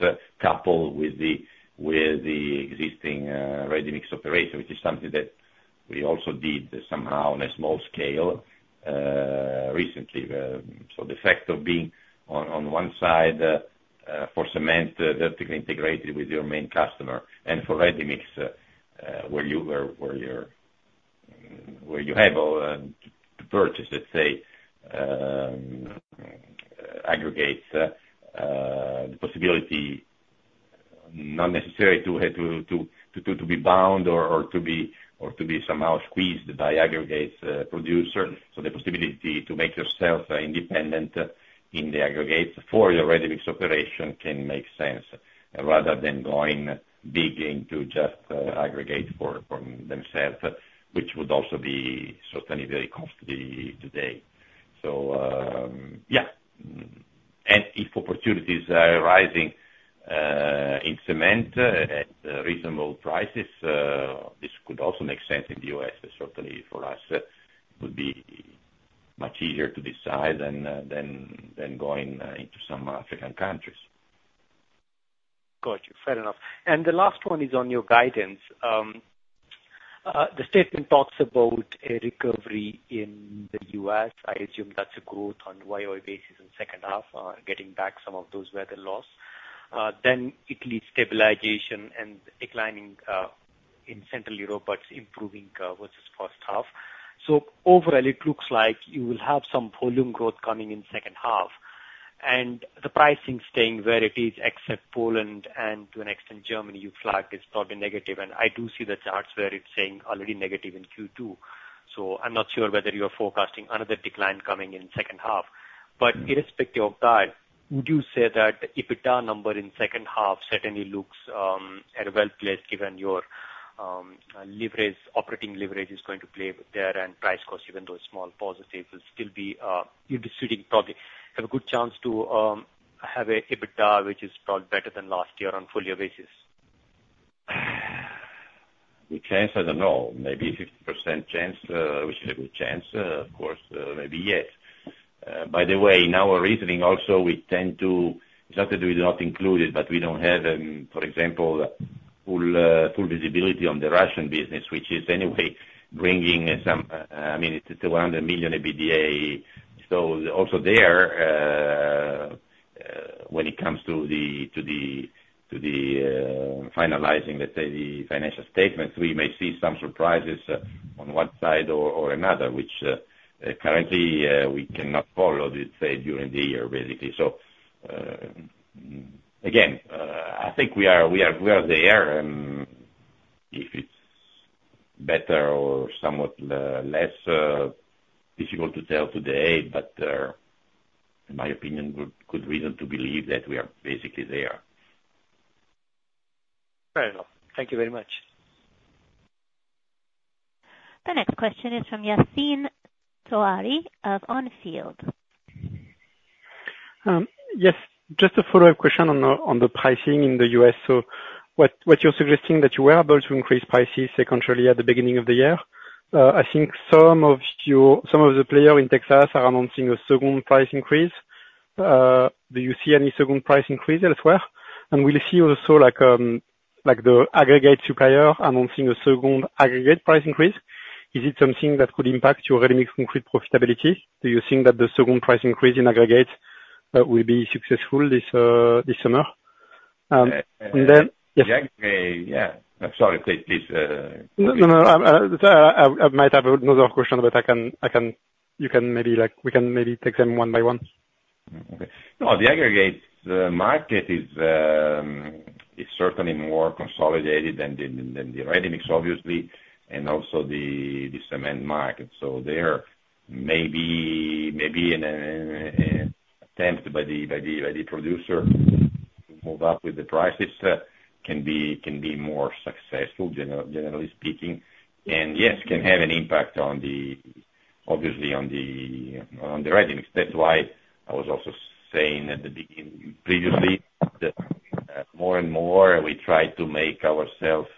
coupled with the existing ready mix operation, which is something that we also did somehow on a small scale recently. So the fact of being on one side for cement vertically integrated with your main customer and for ready mix where you have to purchase, let's say, aggregates, the possibility not necessarily to be bound or to be somehow squeezed by aggregates producer. So the possibility to make yourself independent in the aggregates for your ready mix operation can make sense rather than going big into just aggregate for themselves, which would also be certainly very costly today. So yeah. And if opportunities are arising in cement at reasonable prices, this could also make sense in the U.S. Certainly, for us, it would be much easier to decide than going into some African countries. Got you. Fair enough. And the last one is on your guidance. The statement talks about a recovery in the U.S. I assume that's a growth on a YY basis in the second half, getting back some of those weather losses. Then Italy's stabilization and declining in Central Europe, but improving versus first half. So overall, it looks like you will have some volume growth coming in the second half. And the pricing staying where it is, except Poland and to an extent Germany you flagged is probably negative. And I do see the charts where it's saying already negative in Q2. So I'm not sure whether you're forecasting another decline coming in the second half. But irrespective of that, would you say that EBITDA number in the second half certainly looks well-placed given your operating leverage is going to play there and price cost, even though it's small, positive, will still be you're still probably have a good chance to have an EBITDA which is probably better than last year on a full-year basis? Chance as a no. Maybe 50% chance, which is a good chance. Of course, maybe yes. By the way, in our reasoning also, we tend to it's not that we do not include it, but we don't have, for example, full visibility on the Russian business, which is anyway bringing some I mean, it's 100 million EBITDA. So also there, when it comes to the finalizing, let's say, the financial statements, we may see some surprises on one side or another, which currently we cannot follow, let's say, during the year, basically. So again, I think we are there. If it's better or somewhat less difficult to tell today, but in my opinion, good reason to believe that we are basically there. Fair enough. Thank you very much. The next question is from Yassine Touahri of On Field. Yes. Just a follow-up question on the pricing in the U.S. So what you're suggesting that you were able to increase prices secondarily at the beginning of the year. I think some of the players in Texas are announcing a second price increase. Do you see any second price increase elsewhere? And we'll see also the aggregate supplier announcing a second aggregate price increase. Is it something that could impact your ready mix concrete profitability? Do you think that the second price increase in aggregates will be successful this summer? And then yes. Yeah. Sorry. Please. No, no, no. I might have another question, but you can maybe we can maybe take them one by one. Okay. No, the aggregate market is certainly more consolidated than the ready mix, obviously, and also the cement market. So there, maybe an attempt by the producer to move up with the prices can be more successful, generally speaking. And yes, can have an impact on the, obviously, on the ready mix. That's why I was also saying at the beginning previously that more and more we try to make ourselves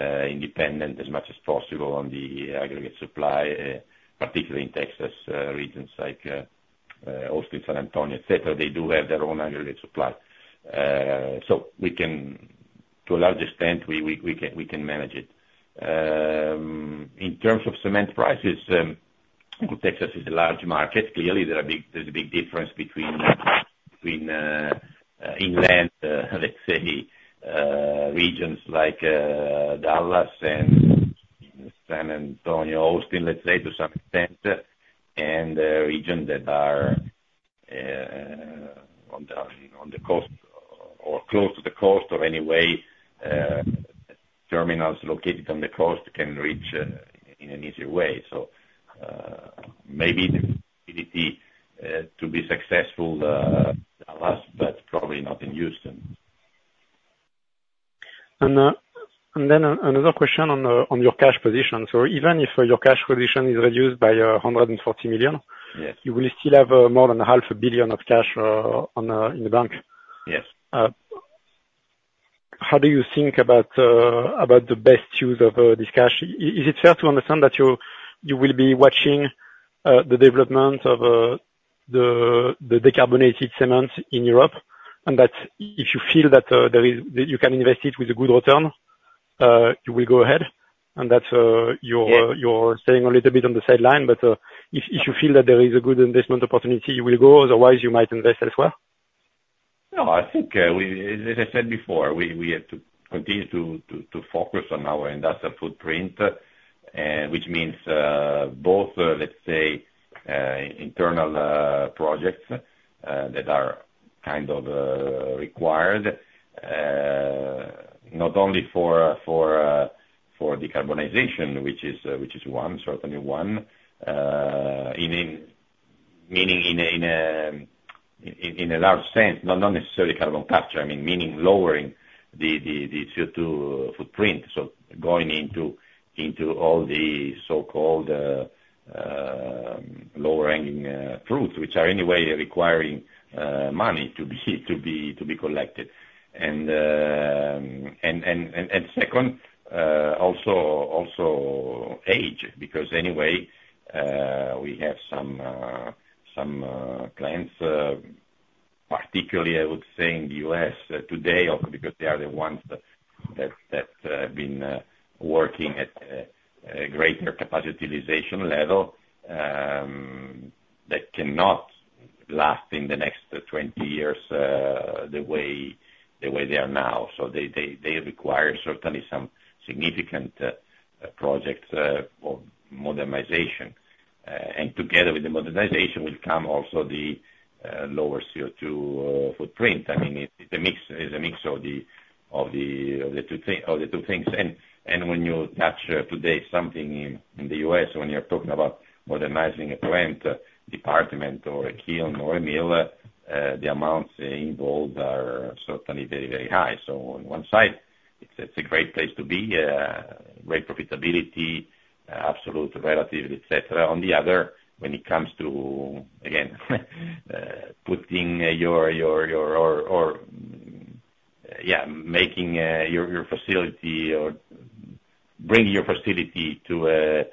independent as much as possible on the aggregate supply, particularly in Texas regions like Austin, San Antonio, etc. They do have their own aggregate supply. To a large extent, we can manage it. In terms of cement prices, Texas is a large market. Clearly, there's a big difference between inland, let's say, regions like Dallas and San Antonio, Austin, let's say, to some extent, and regions that are on the coast or close to the coast or any way terminals located on the coast can reach in an easier way. Maybe the possibility to be successful in Dallas, but probably not in Houston. Then another question on your cash position. Even if your cash position is reduced by 140 million, you will still have more than 500 million of cash in the bank. How do you think about the best use of this cash? Is it fair to understand that you will be watching the development of the decarbonated cement in Europe and that if you feel that you can invest it with a good return, you will go ahead? And that you're staying a little bit on the sideline, but if you feel that there is a good investment opportunity, you will go. Otherwise, you might invest elsewhere? No, I think, as I said before, we have to continue to focus on our industrial footprint, which means both, let's say, internal projects that are kind of required, not only for decarbonization, which is one, certainly one, meaning in a large sense, not necessarily carbon capture, I mean, meaning lowering the CO2 footprint. So going into all the so-called low-hanging fruits, which are anyway requiring money to be collected. And second, also age because anyway, we have some clients, particularly, I would say, in the U.S. today because they are the ones that have been working at a greater capacity utilization level that cannot last in the next 20 years the way they are now. So they require certainly some significant projects of modernization. And together with the modernization will come also the lower CO2 footprint. I mean, it's a mix of the two things. And when you touch today something in the U.S., when you're talking about modernizing a plant department or a kiln or a mill, the amounts involved are certainly very, very high. So on one side, it's a great place to be, great profitability, absolute relative, etc. On the other, when it comes to, again, putting your facility or bringing your facility to a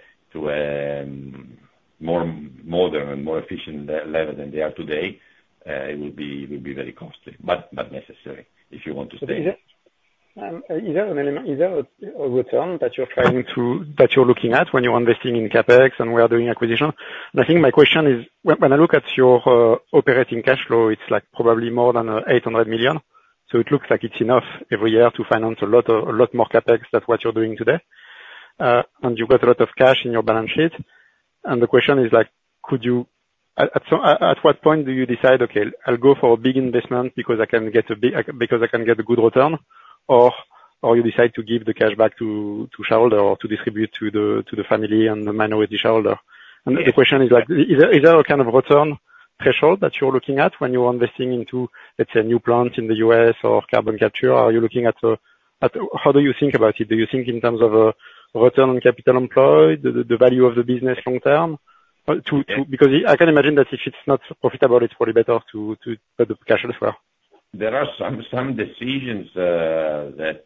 more modern and more efficient level than they are today, it will be very costly, but not necessary if you want to stay. Is there a return that you're looking at when you're investing in CapEx and we are doing acquisition? And I think my question is, when I look at your operating cash flow, it's probably more than 800 million. So it looks like it's enough every year to finance a lot more CapEx than what you're doing today. And you've got a lot of cash in your balance sheet. The question is, at what point do you decide, "Okay, I'll go for a big investment because I can get a because I can get a good return," or you decide to give the cash back to shareholder or to distribute to the family and the minority shareholder? And the question is, is there a kind of return threshold that you're looking at when you're investing into, let's say, a new plant in the U.S. or carbon capture? Are you looking at how do you think about it? Do you think in terms of a return on capital employed, the value of the business long term? Because I can imagine that if it's not profitable, it's probably better to put the cash elsewhere. There are some decisions that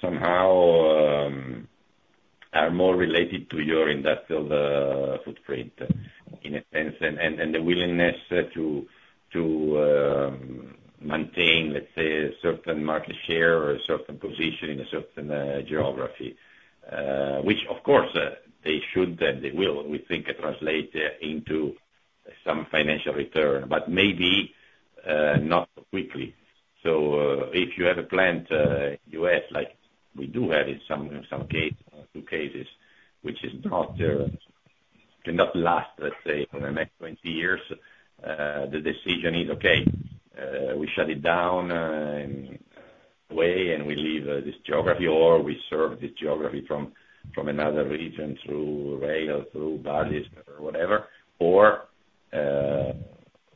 somehow are more related to your industrial footprint, in a sense, and the willingness to maintain, let's say, a certain market share or a certain position in a certain geography, which, of course, they should and they will, we think, translate into some financial return, but maybe not so quickly. So if you have a plant in the U.S., like we do have in some cases, which cannot last, let's say, for the next 20 years, the decision is, "Okay, we shut it down away and we leave this geography or we serve this geography from another region through rail, through barges or whatever, or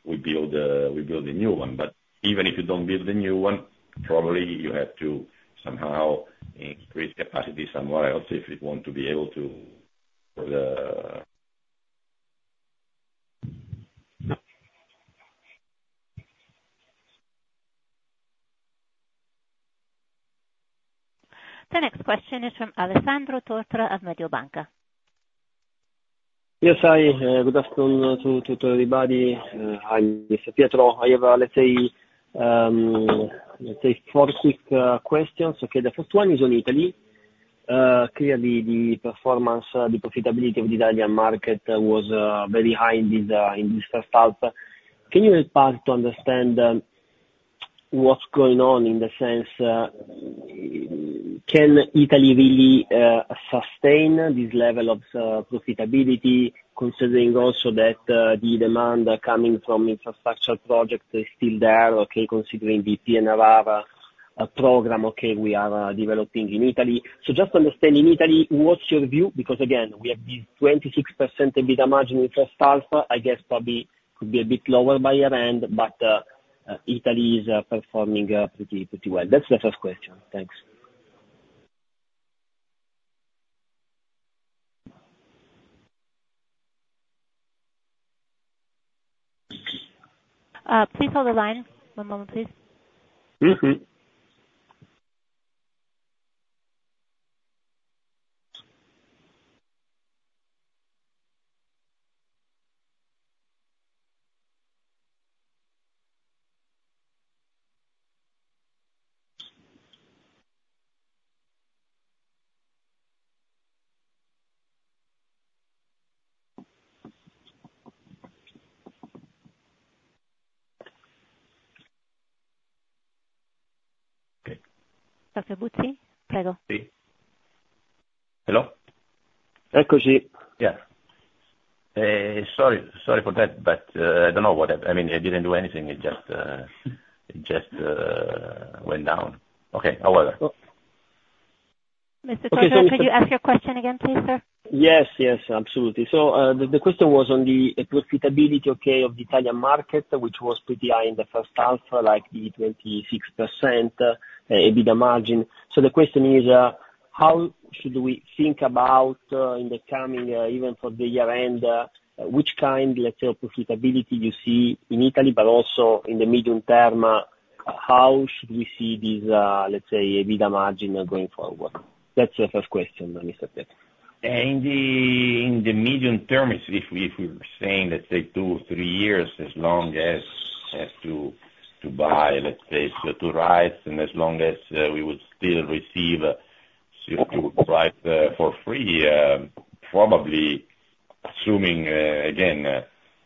we build a new one." But even if you don't build the new one, probably you have to somehow increase capacity somewhere else if you want to be able to. The next question is from Alessandro Tortora of Mediobanca. Yes, hi. Good afternoon to everybody. Hi, Mr. Pietro. I have, let's say, four quick questions. Okay. The first one is on Italy. Clearly, the performance, the profitability of the Italian market was very high in this first half. Can you help us to understand what's going on in the sense, can Italy really sustain this level of profitability, considering also that the demand coming from infrastructure projects is still there, okay, considering the PNRR program, okay, we are developing in Italy? So just understanding Italy, what's your view? Because again, we have this 26% EBITDA margin in the first half. I guess probably could be a bit lower by year-end, but Italy is performing pretty well. That's the first question. Thanks. Please hold the line. One moment, please. Okay. Salve a tutti. Prego. Sì. Hello? Eccoci. Yeah. Sorry for that, but I don't know what happened. I mean, it didn't do anything. It just went down. Okay. However. Mr. Tortora, could you ask your question again, please, sir? Yes, yes. Absolutely. So the question was on the profitability, okay, of the Italian market, which was pretty high in the first half, like the 26% EBITDA margin. So the question is, how should we think about in the coming, even for the year-end, which kind, let's say, of profitability you see in Italy, but also in the medium term, how should we see this, let's say, EBITDA margin going forward? That's the first question, Mr. Pietro. In the medium term, if we were saying, let's say, 2 or 3 years, as long as to buy, let's say, CO2 rights, and as long as we would still receive CO2 rights for free, probably assuming, again,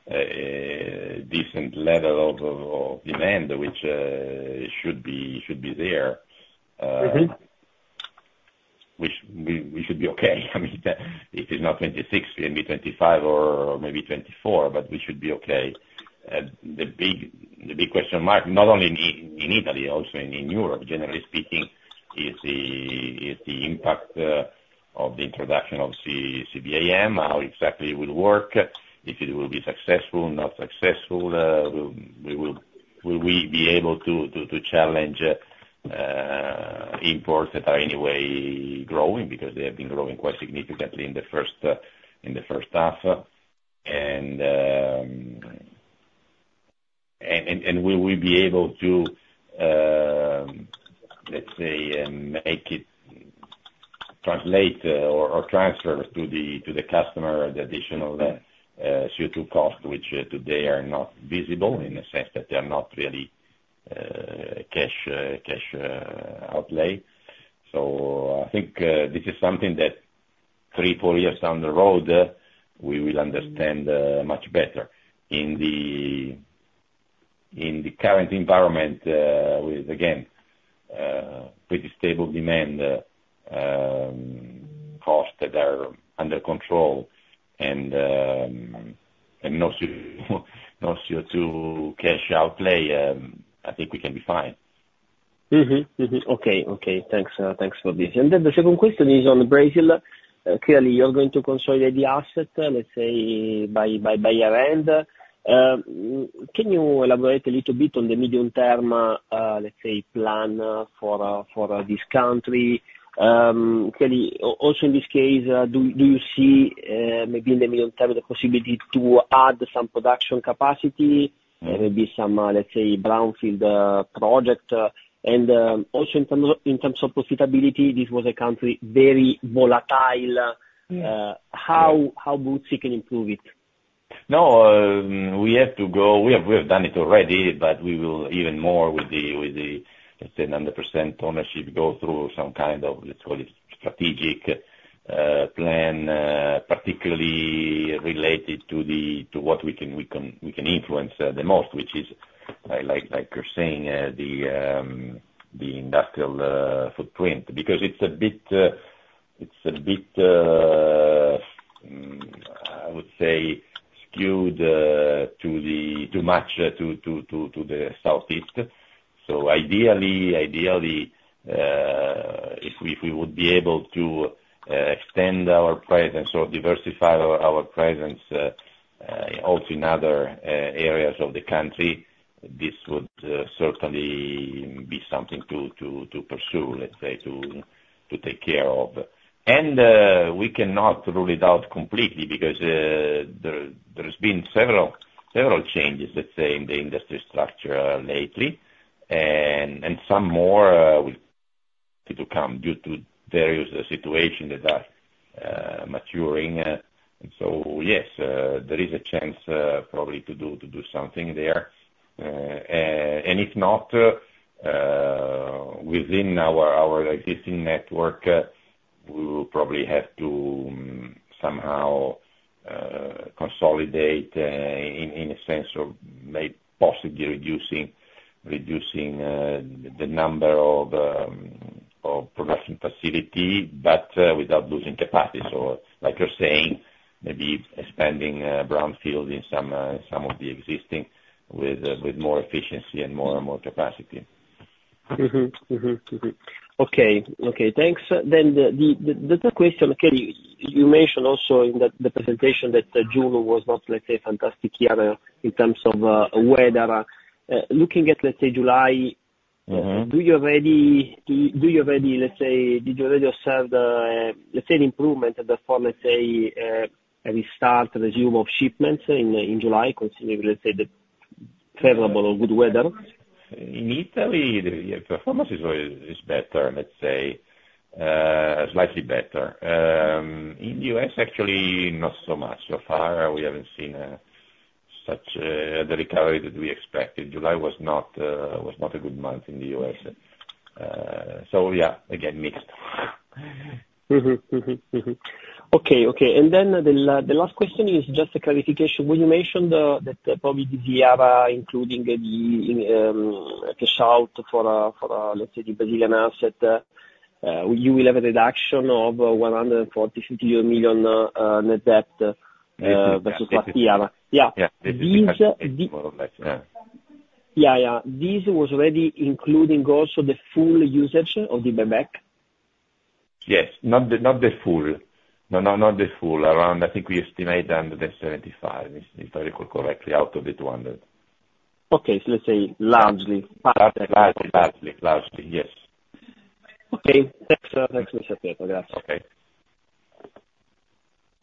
a decent level of demand, which should be there, which we should be okay. I mean, if it's not 26, it can be 25 or maybe 24, but we should be okay. The big question mark, not only in Italy, also in Europe, generally speaking, is the impact of the introduction of CBAM, how exactly it will work, if it will be successful, not successful. Will we be able to challenge imports that are anyway growing because they have been growing quite significantly in the first half? Will we be able to, let's say, translate or transfer to the customer the additional CO2 cost, which today are not visible in the sense that they are not really cash outlay? So I think this is something that 3-4 years down the road, we will understand much better in the current environment with, again, pretty stable demand costs that are under control and no CO2 cash outlay. I think we can be fine. Okay. Okay. Thanks for this. And then the second question is on Brazil. Clearly, you're going to consolidate the asset, let's say, by year-end. Can you elaborate a little bit on the medium-term, let's say, plan for this country? Clearly, also in this case, do you see maybe in the medium-term the possibility to add some production capacity and maybe some, let's say, brownfield project? And also in terms of profitability, this was a country very volatile. How would you improve it? No, we have to go we have done it already, but we will even more with the, let's say, 100% ownership go through some kind of, let's call it, strategic plan, particularly related to what we can influence the most, which is, like you're saying, the industrial footprint. Because it's a bit, I would say, skewed too much to the Southeast. So ideally, if we would be able to extend our presence or diversify our presence also in other areas of the country, this would certainly be something to pursue, let's say, to take care of. And we cannot rule it out completely because there have been several changes, let's say, in the industry structure lately, and some more will come due to various situations that are maturing. And so, yes, there is a chance probably to do something there. And if not, within our existing network, we will probably have to somehow consolidate in a sense of maybe possibly reducing the number of production facilities, but without losing capacity. So, like you're saying, maybe expanding brownfield in some of the existing with more efficiency and more and more capacity. Okay. Okay. Thanks. Then the third question, okay, you mentioned also in the presentation that June was not, let's say, fantastic year in terms of weather. Looking at, let's say, July, do you already, let's say, did you already observe the, let's say, improvement of the performance, say, a restart, resume of shipments in July, considering, let's say, the favorable or good weather? In Italy, the performance is better, let's say, slightly better. In the U.S., actually, not so much. So far, we haven't seen such a recovery that we expected. July was not a good month in the US. So, yeah, again, mixed. Okay. Okay. And then the last question is just a clarification. When you mentioned that probably this year, including the cash out for, let's say, the Brazilian asset, you will have a reduction of 140 million net debt versus last year. Yeah. This is more or less. Yeah. Yeah. This was already including also the full usage of the buyback? Yes. Not the full. Not the full. Around, I think we estimate under the 75, if I recall correctly, out of the 200. Okay. So, let's say, largely. Largely. Largely. Largely. Yes. Okay. Thanks, Mr. Pietro. Grazie. Okay.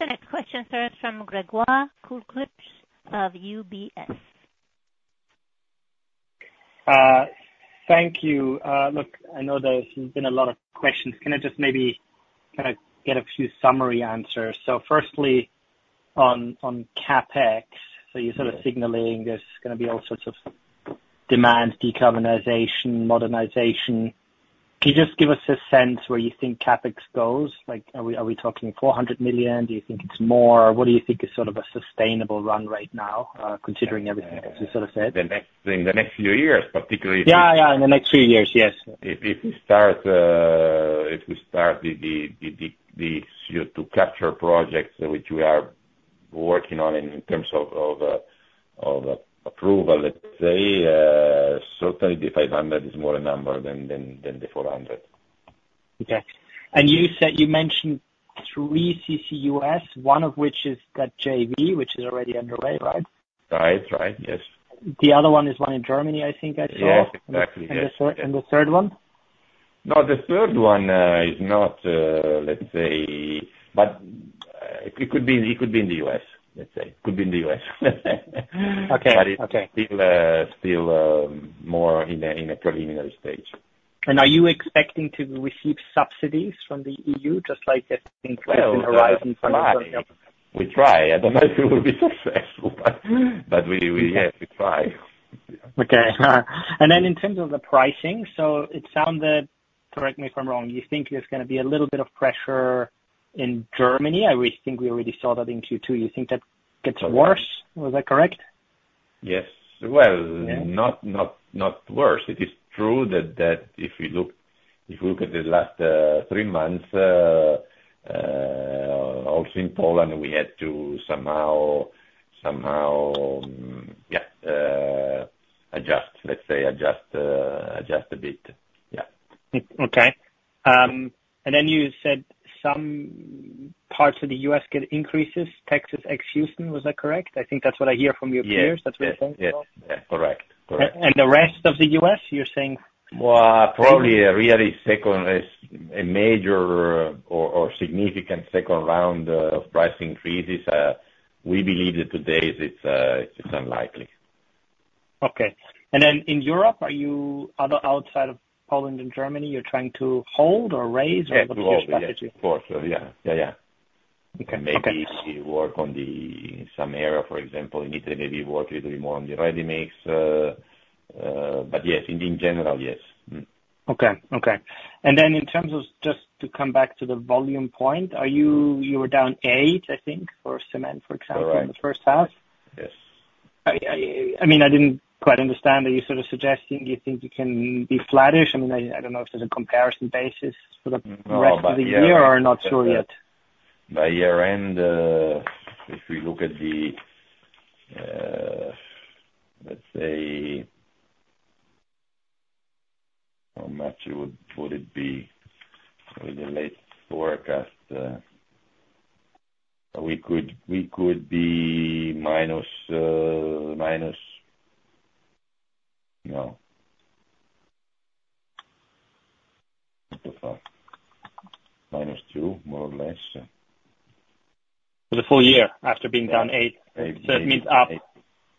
The next question is from Gregor Kuglitsch of UBS. Thank you. Look, I know there's been a lot of questions. Can I just maybe kind of get a few summary answers? So firstly, on CapEx, so you're sort of signaling there's going to be all sorts of demand, decarbonization, modernization. Can you just give us a sense where you think CapEx goes? Are we talking 400 million? Do you think it's more? What do you think is sort of a sustainable run right now, considering everything that you sort of said? In the next few years, particularly. Yeah. Yeah. In the next few years. Yes. If we start these CO2 capture projects which we are working on in terms of approval, let's say, certainly the 500 million is more a number than the 400 million. Okay. And you mentioned three CCUS, one of which is a JV, which is already underway, right? Right. Right. Yes. The other one is one in Germany, I think I saw. Yeah. Exactly. And the third one? No, the third one is not, let's say, but it could be in the U.S., let's say. It could be in the U.S. But it's still more in a preliminary stage. And are you expecting to receive subsidies from the E.U., just like I think Horizon funding? We try. We try. I don't know if we will be successful, but yes, we try. Okay. And then in terms of the pricing, so it sounded, correct me if I'm wrong, you think there's going to be a little bit of pressure in Germany. I think we already saw that in Q2. You think that gets worse? Was that correct? Yes. Well, not worse. It is true that if we look at the last three months, also in Poland, we had to somehow adjust, let's say, adjust a bit. Yeah. Okay. And then you said some parts of the U.S. get increases, Texas ex Houston. Was that correct? I think that's what I hear from your peers. That's what you're saying as well? Yeah. Yeah. Correct. Correct. And the rest of the U.S., you're saying? Probably a really second, a major or significant second round of price increases. We believe that today it's unlikely. Okay. Okay. And then in Europe, are you outside of Poland and Germany? You're trying to hold or raise or look at subsidies? Yeah. For sure. Yeah. Yeah. Yeah. Maybe work on some area. For example, in Italy, maybe work a little bit more on the ready mix. But yes, in general, yes. Okay. Okay. And then in terms of just to come back to the volume point, you were down 8, I think, for cement, for example, in the first half. Yes.I mean, I didn't quite understand. Are you sort of suggesting you think you can be flattish? I mean, I don't know if there's a comparison basis for the rest of the year or not sure yet. By year-end, if we look at the, let's say, how much would it be with the late forecast? We could be minus now. -2, more or less. For the full year after being down 8. So it means up.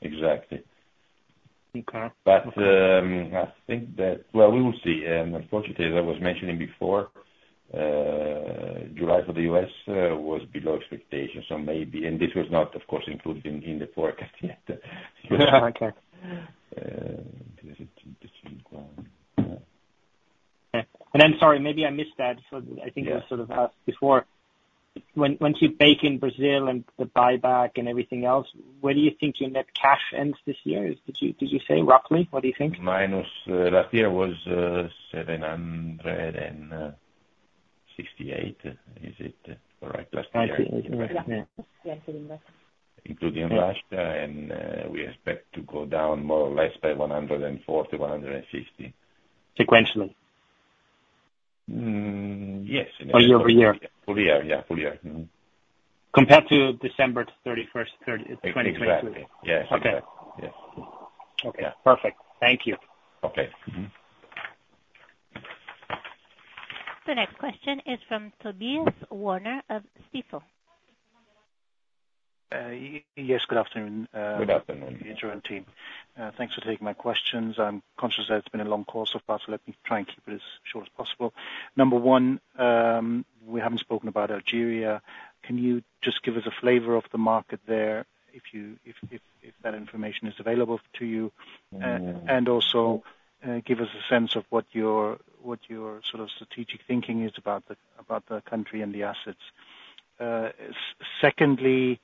Exactly. But I think that, well, we will see. And unfortunately, as I was mentioning before, July for the U.S. was below expectations. And this was not, of course, included in the forecast yet. Okay. And then, sorry, maybe I missed that. I think I sort of asked before. Once you bake in Brazil and the buyback and everything else, where do you think your net cash ends this year? Did you say roughly? What do you think? Last year was 768. Is it correct? Last year. Including Russia. Including Russia. And we expect to go down more or less by 140, 150. Sequentially? Yes. In a year. Or year over year? Full year. Yeah. Full year. Compared to December 31st, 2022? Exactly. Yes. Exactly. Yes. Okay. Perfect. Thank you. Okay. The next question is from Tobias Woerner of Stifel. Yes. Good afternoon. Good afternoon, everyone. Thanks for taking my questions. I'm conscious that it's been a long call, but let me try and keep it as short as possible. Number one, we haven't spoken about Algeria. Can you just give us a flavor of the market there if that information is available to you? And also give us a sense of what your sort of strategic thinking is about the country and the assets. Secondly,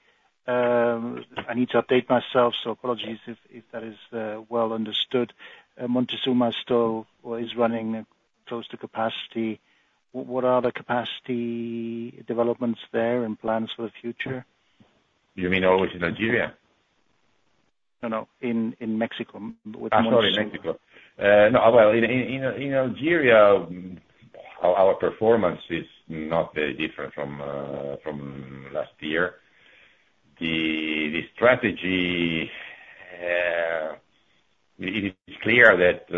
I need to update myself, so apologies if that is well understood. Moctezuma still is running close to capacity. What are the capacity developments there and plans for the future? You mean always in Algeria? No, no. In Mexico with Moctezuma. I'm sorry. Mexico. No. Well, in Algeria, our performance is not very different from last year. The strategy, it is clear that,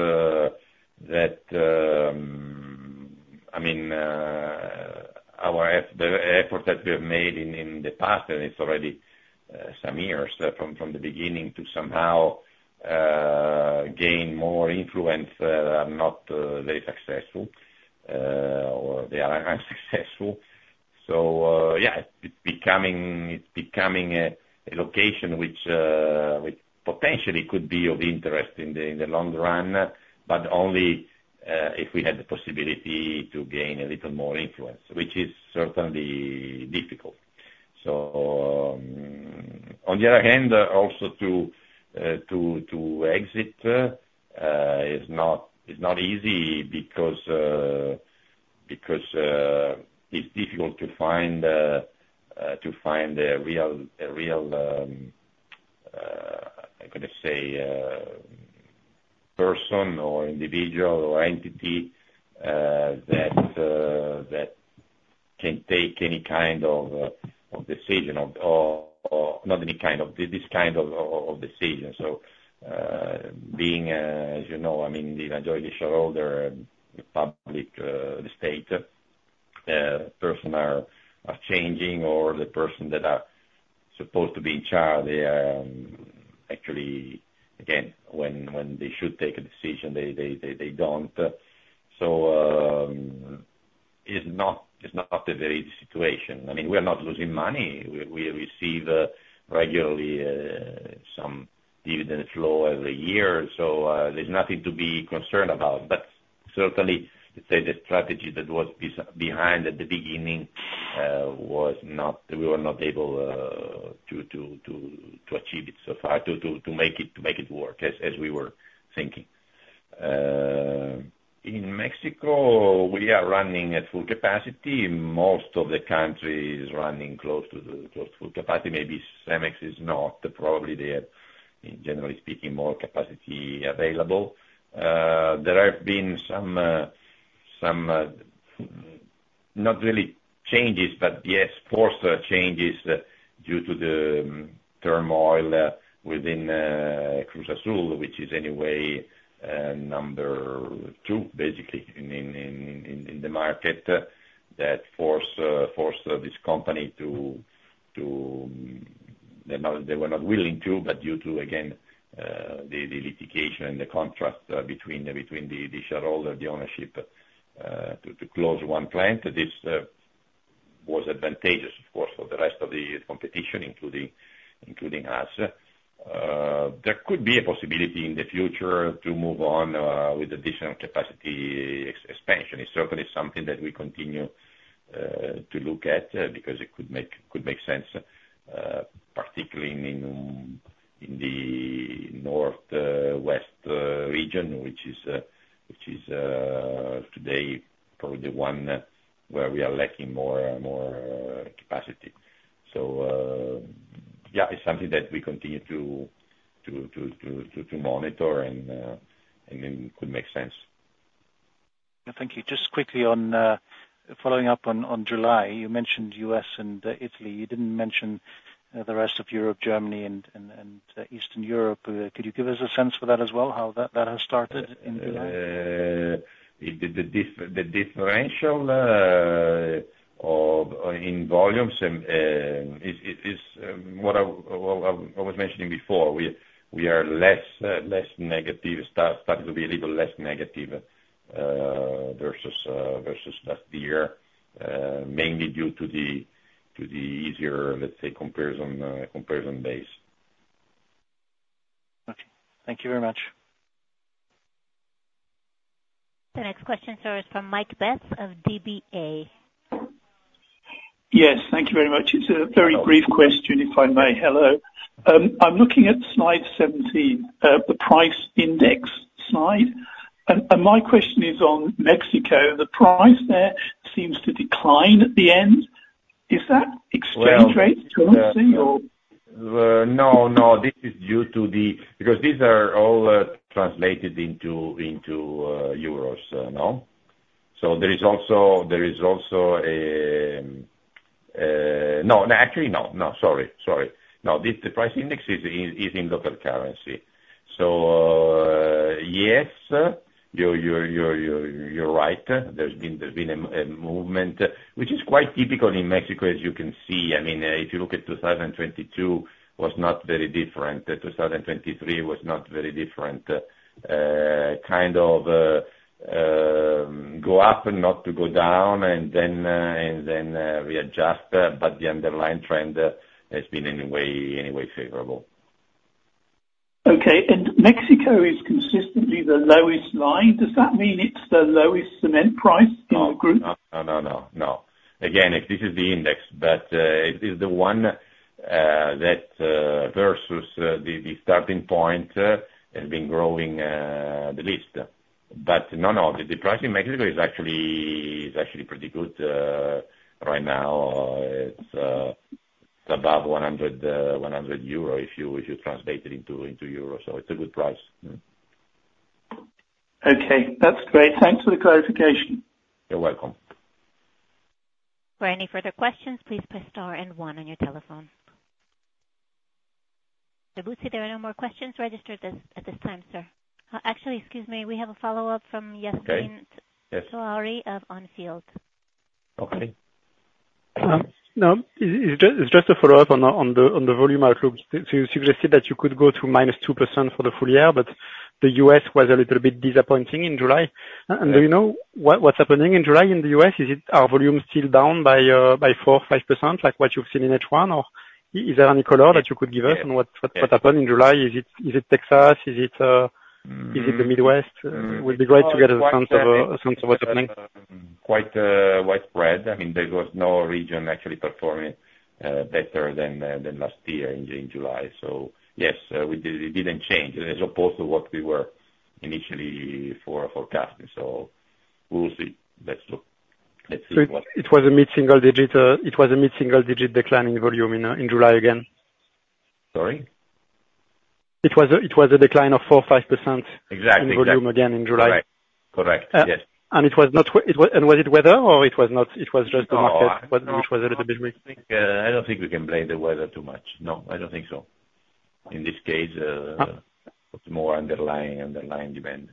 I mean, the effort that we have made in the past, and it's already some years from the beginning to somehow gain more influence, are not very successful or they are unsuccessful. So, yeah, it's becoming a location which potentially could be of interest in the long run, but only if we had the possibility to gain a little more influence, which is certainly difficult. So, on the other hand, also to exit is not easy because it's difficult to find a real, how can I say, person or individual or entity that can take any kind of decision or not any kind of this kind of decision. So, being as you know, I mean, in Algeria, the shareholder, the public, the state personnel are changing, or the person that is supposed to be in charge actually, again, when they should take a decision, they don't. So it's not a very easy situation. I mean, we are not losing money. We receive regularly some dividend flow every year. So there's nothing to be concerned about. But certainly, let's say the strategy that was behind at the beginning was not we were not able to achieve it so far, to make it work as we were thinking. In Mexico, we are running at full capacity. Most of the country is running close to full capacity. Maybe CEMEX is not. Probably they have, generally speaking, more capacity available. There have been some not really changes, but yes, forced changes due to the turmoil within Cruz Azul, which is anyway number two, basically, in the market that forced this company to they were not willing to, but due to, again, the litigation and the contrast between the shareholder and the ownership to close one plant. This was advantageous, of course, for the rest of the competition, including us. There could be a possibility in the future to move on with additional capacity expansion. It's certainly something that we continue to look at because it could make sense, particularly in the northwest region, which is today probably the one where we are lacking more capacity. So, yeah, it's something that we continue to monitor, and it could make sense. Thank you. Just quickly on following up on July, you mentioned U.S. and Italy. You didn't mention the rest of Europe, Germany, and Eastern Europe. Could you give us a sense for that as well, how that has started in July? The differential in volumes is what I was mentioning before. We are less negative, starting to be a little less negative versus last year, mainly due to the easier, let's say, comparison base. Okay. Thank you very much. The next question, sir, is from Mike Betts of DBA. Yes. Thank you very much. It's a very brief question, if I may. Hello. I'm looking at slide 17, the price index slide. And my question is on Mexico. The price there seems to decline at the end. Is that exchange rate? Do you want to see or? No, no. This is due to the because these are all translated into euros now. So there is also no, actually, no. No. Sorry. Sorry. No. The price index is in local currency. So, yes, you're right. There's been a movement, which is quite typical in Mexico, as you can see. I mean, if you look at 2022, it was not very different. 2023 was not very different. Kind of go up and not to go down and then readjust. But the underlying trend has been anyway favorable. Okay. And Mexico is consistently the lowest line. Does that mean it's the lowest cement price in the group? No, no, no, no, no. Again, this is the index, but it is the one that versus the starting point has been growing the least. But no, no. The price in Mexico is actually pretty good right now. It's above 100 euro if you translate it into euros. So it's a good price. Okay. That's great. Thanks for the clarification. You're welcome. For any further questions, please press star and one on your telephone. Tobias, there are no more questions registered at this time, sir. Actually, excuse me, we have a follow-up from yesterday. Okay. Yes. So Yassine of On Field. Okay. No, it's just a follow-up on the volume outlook. So you suggested that you could go to -2% for the full year, but the U.S. was a little bit disappointing in July. And do you know what's happening in July in the U.S.? Is our volume still down by 4%-5% like what you've seen in H1? Or is there any color that you could give us on what happened in July? Is it Texas? Is it the Midwest? It would be great to get a sense of what's happening. Quite spread. I mean, there was no region actually performing better than last year in July. So, yes, it didn't change as opposed to what we were initially forecasting. So we'll see. Let's see what happens. It was a mid-single digit decline in volume in July again. Sorry? It was a decline of 4%-5% in volume again in July. Correct. Correct. Yes. And was it weather or it was just the market which was a little bit weak? I don't think we can blame the weather too much. No, I don't think so. In this case, it's more underlying demand.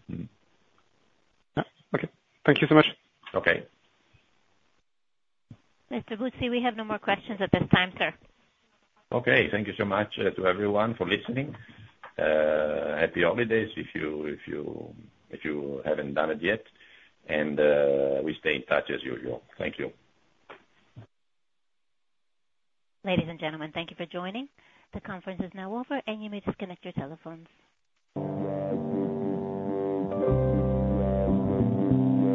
Okay. Thank you so much. Okay. Mr. Woerner, we have no more questions at this time, sir. Okay. Thank you so much to everyone for listening. Happy holidays if you haven't done it yet. We stay in touch as usual. Thank you. Ladies and gentlemen, thank you for joining. The conference is now over, and you may disconnect your telephones.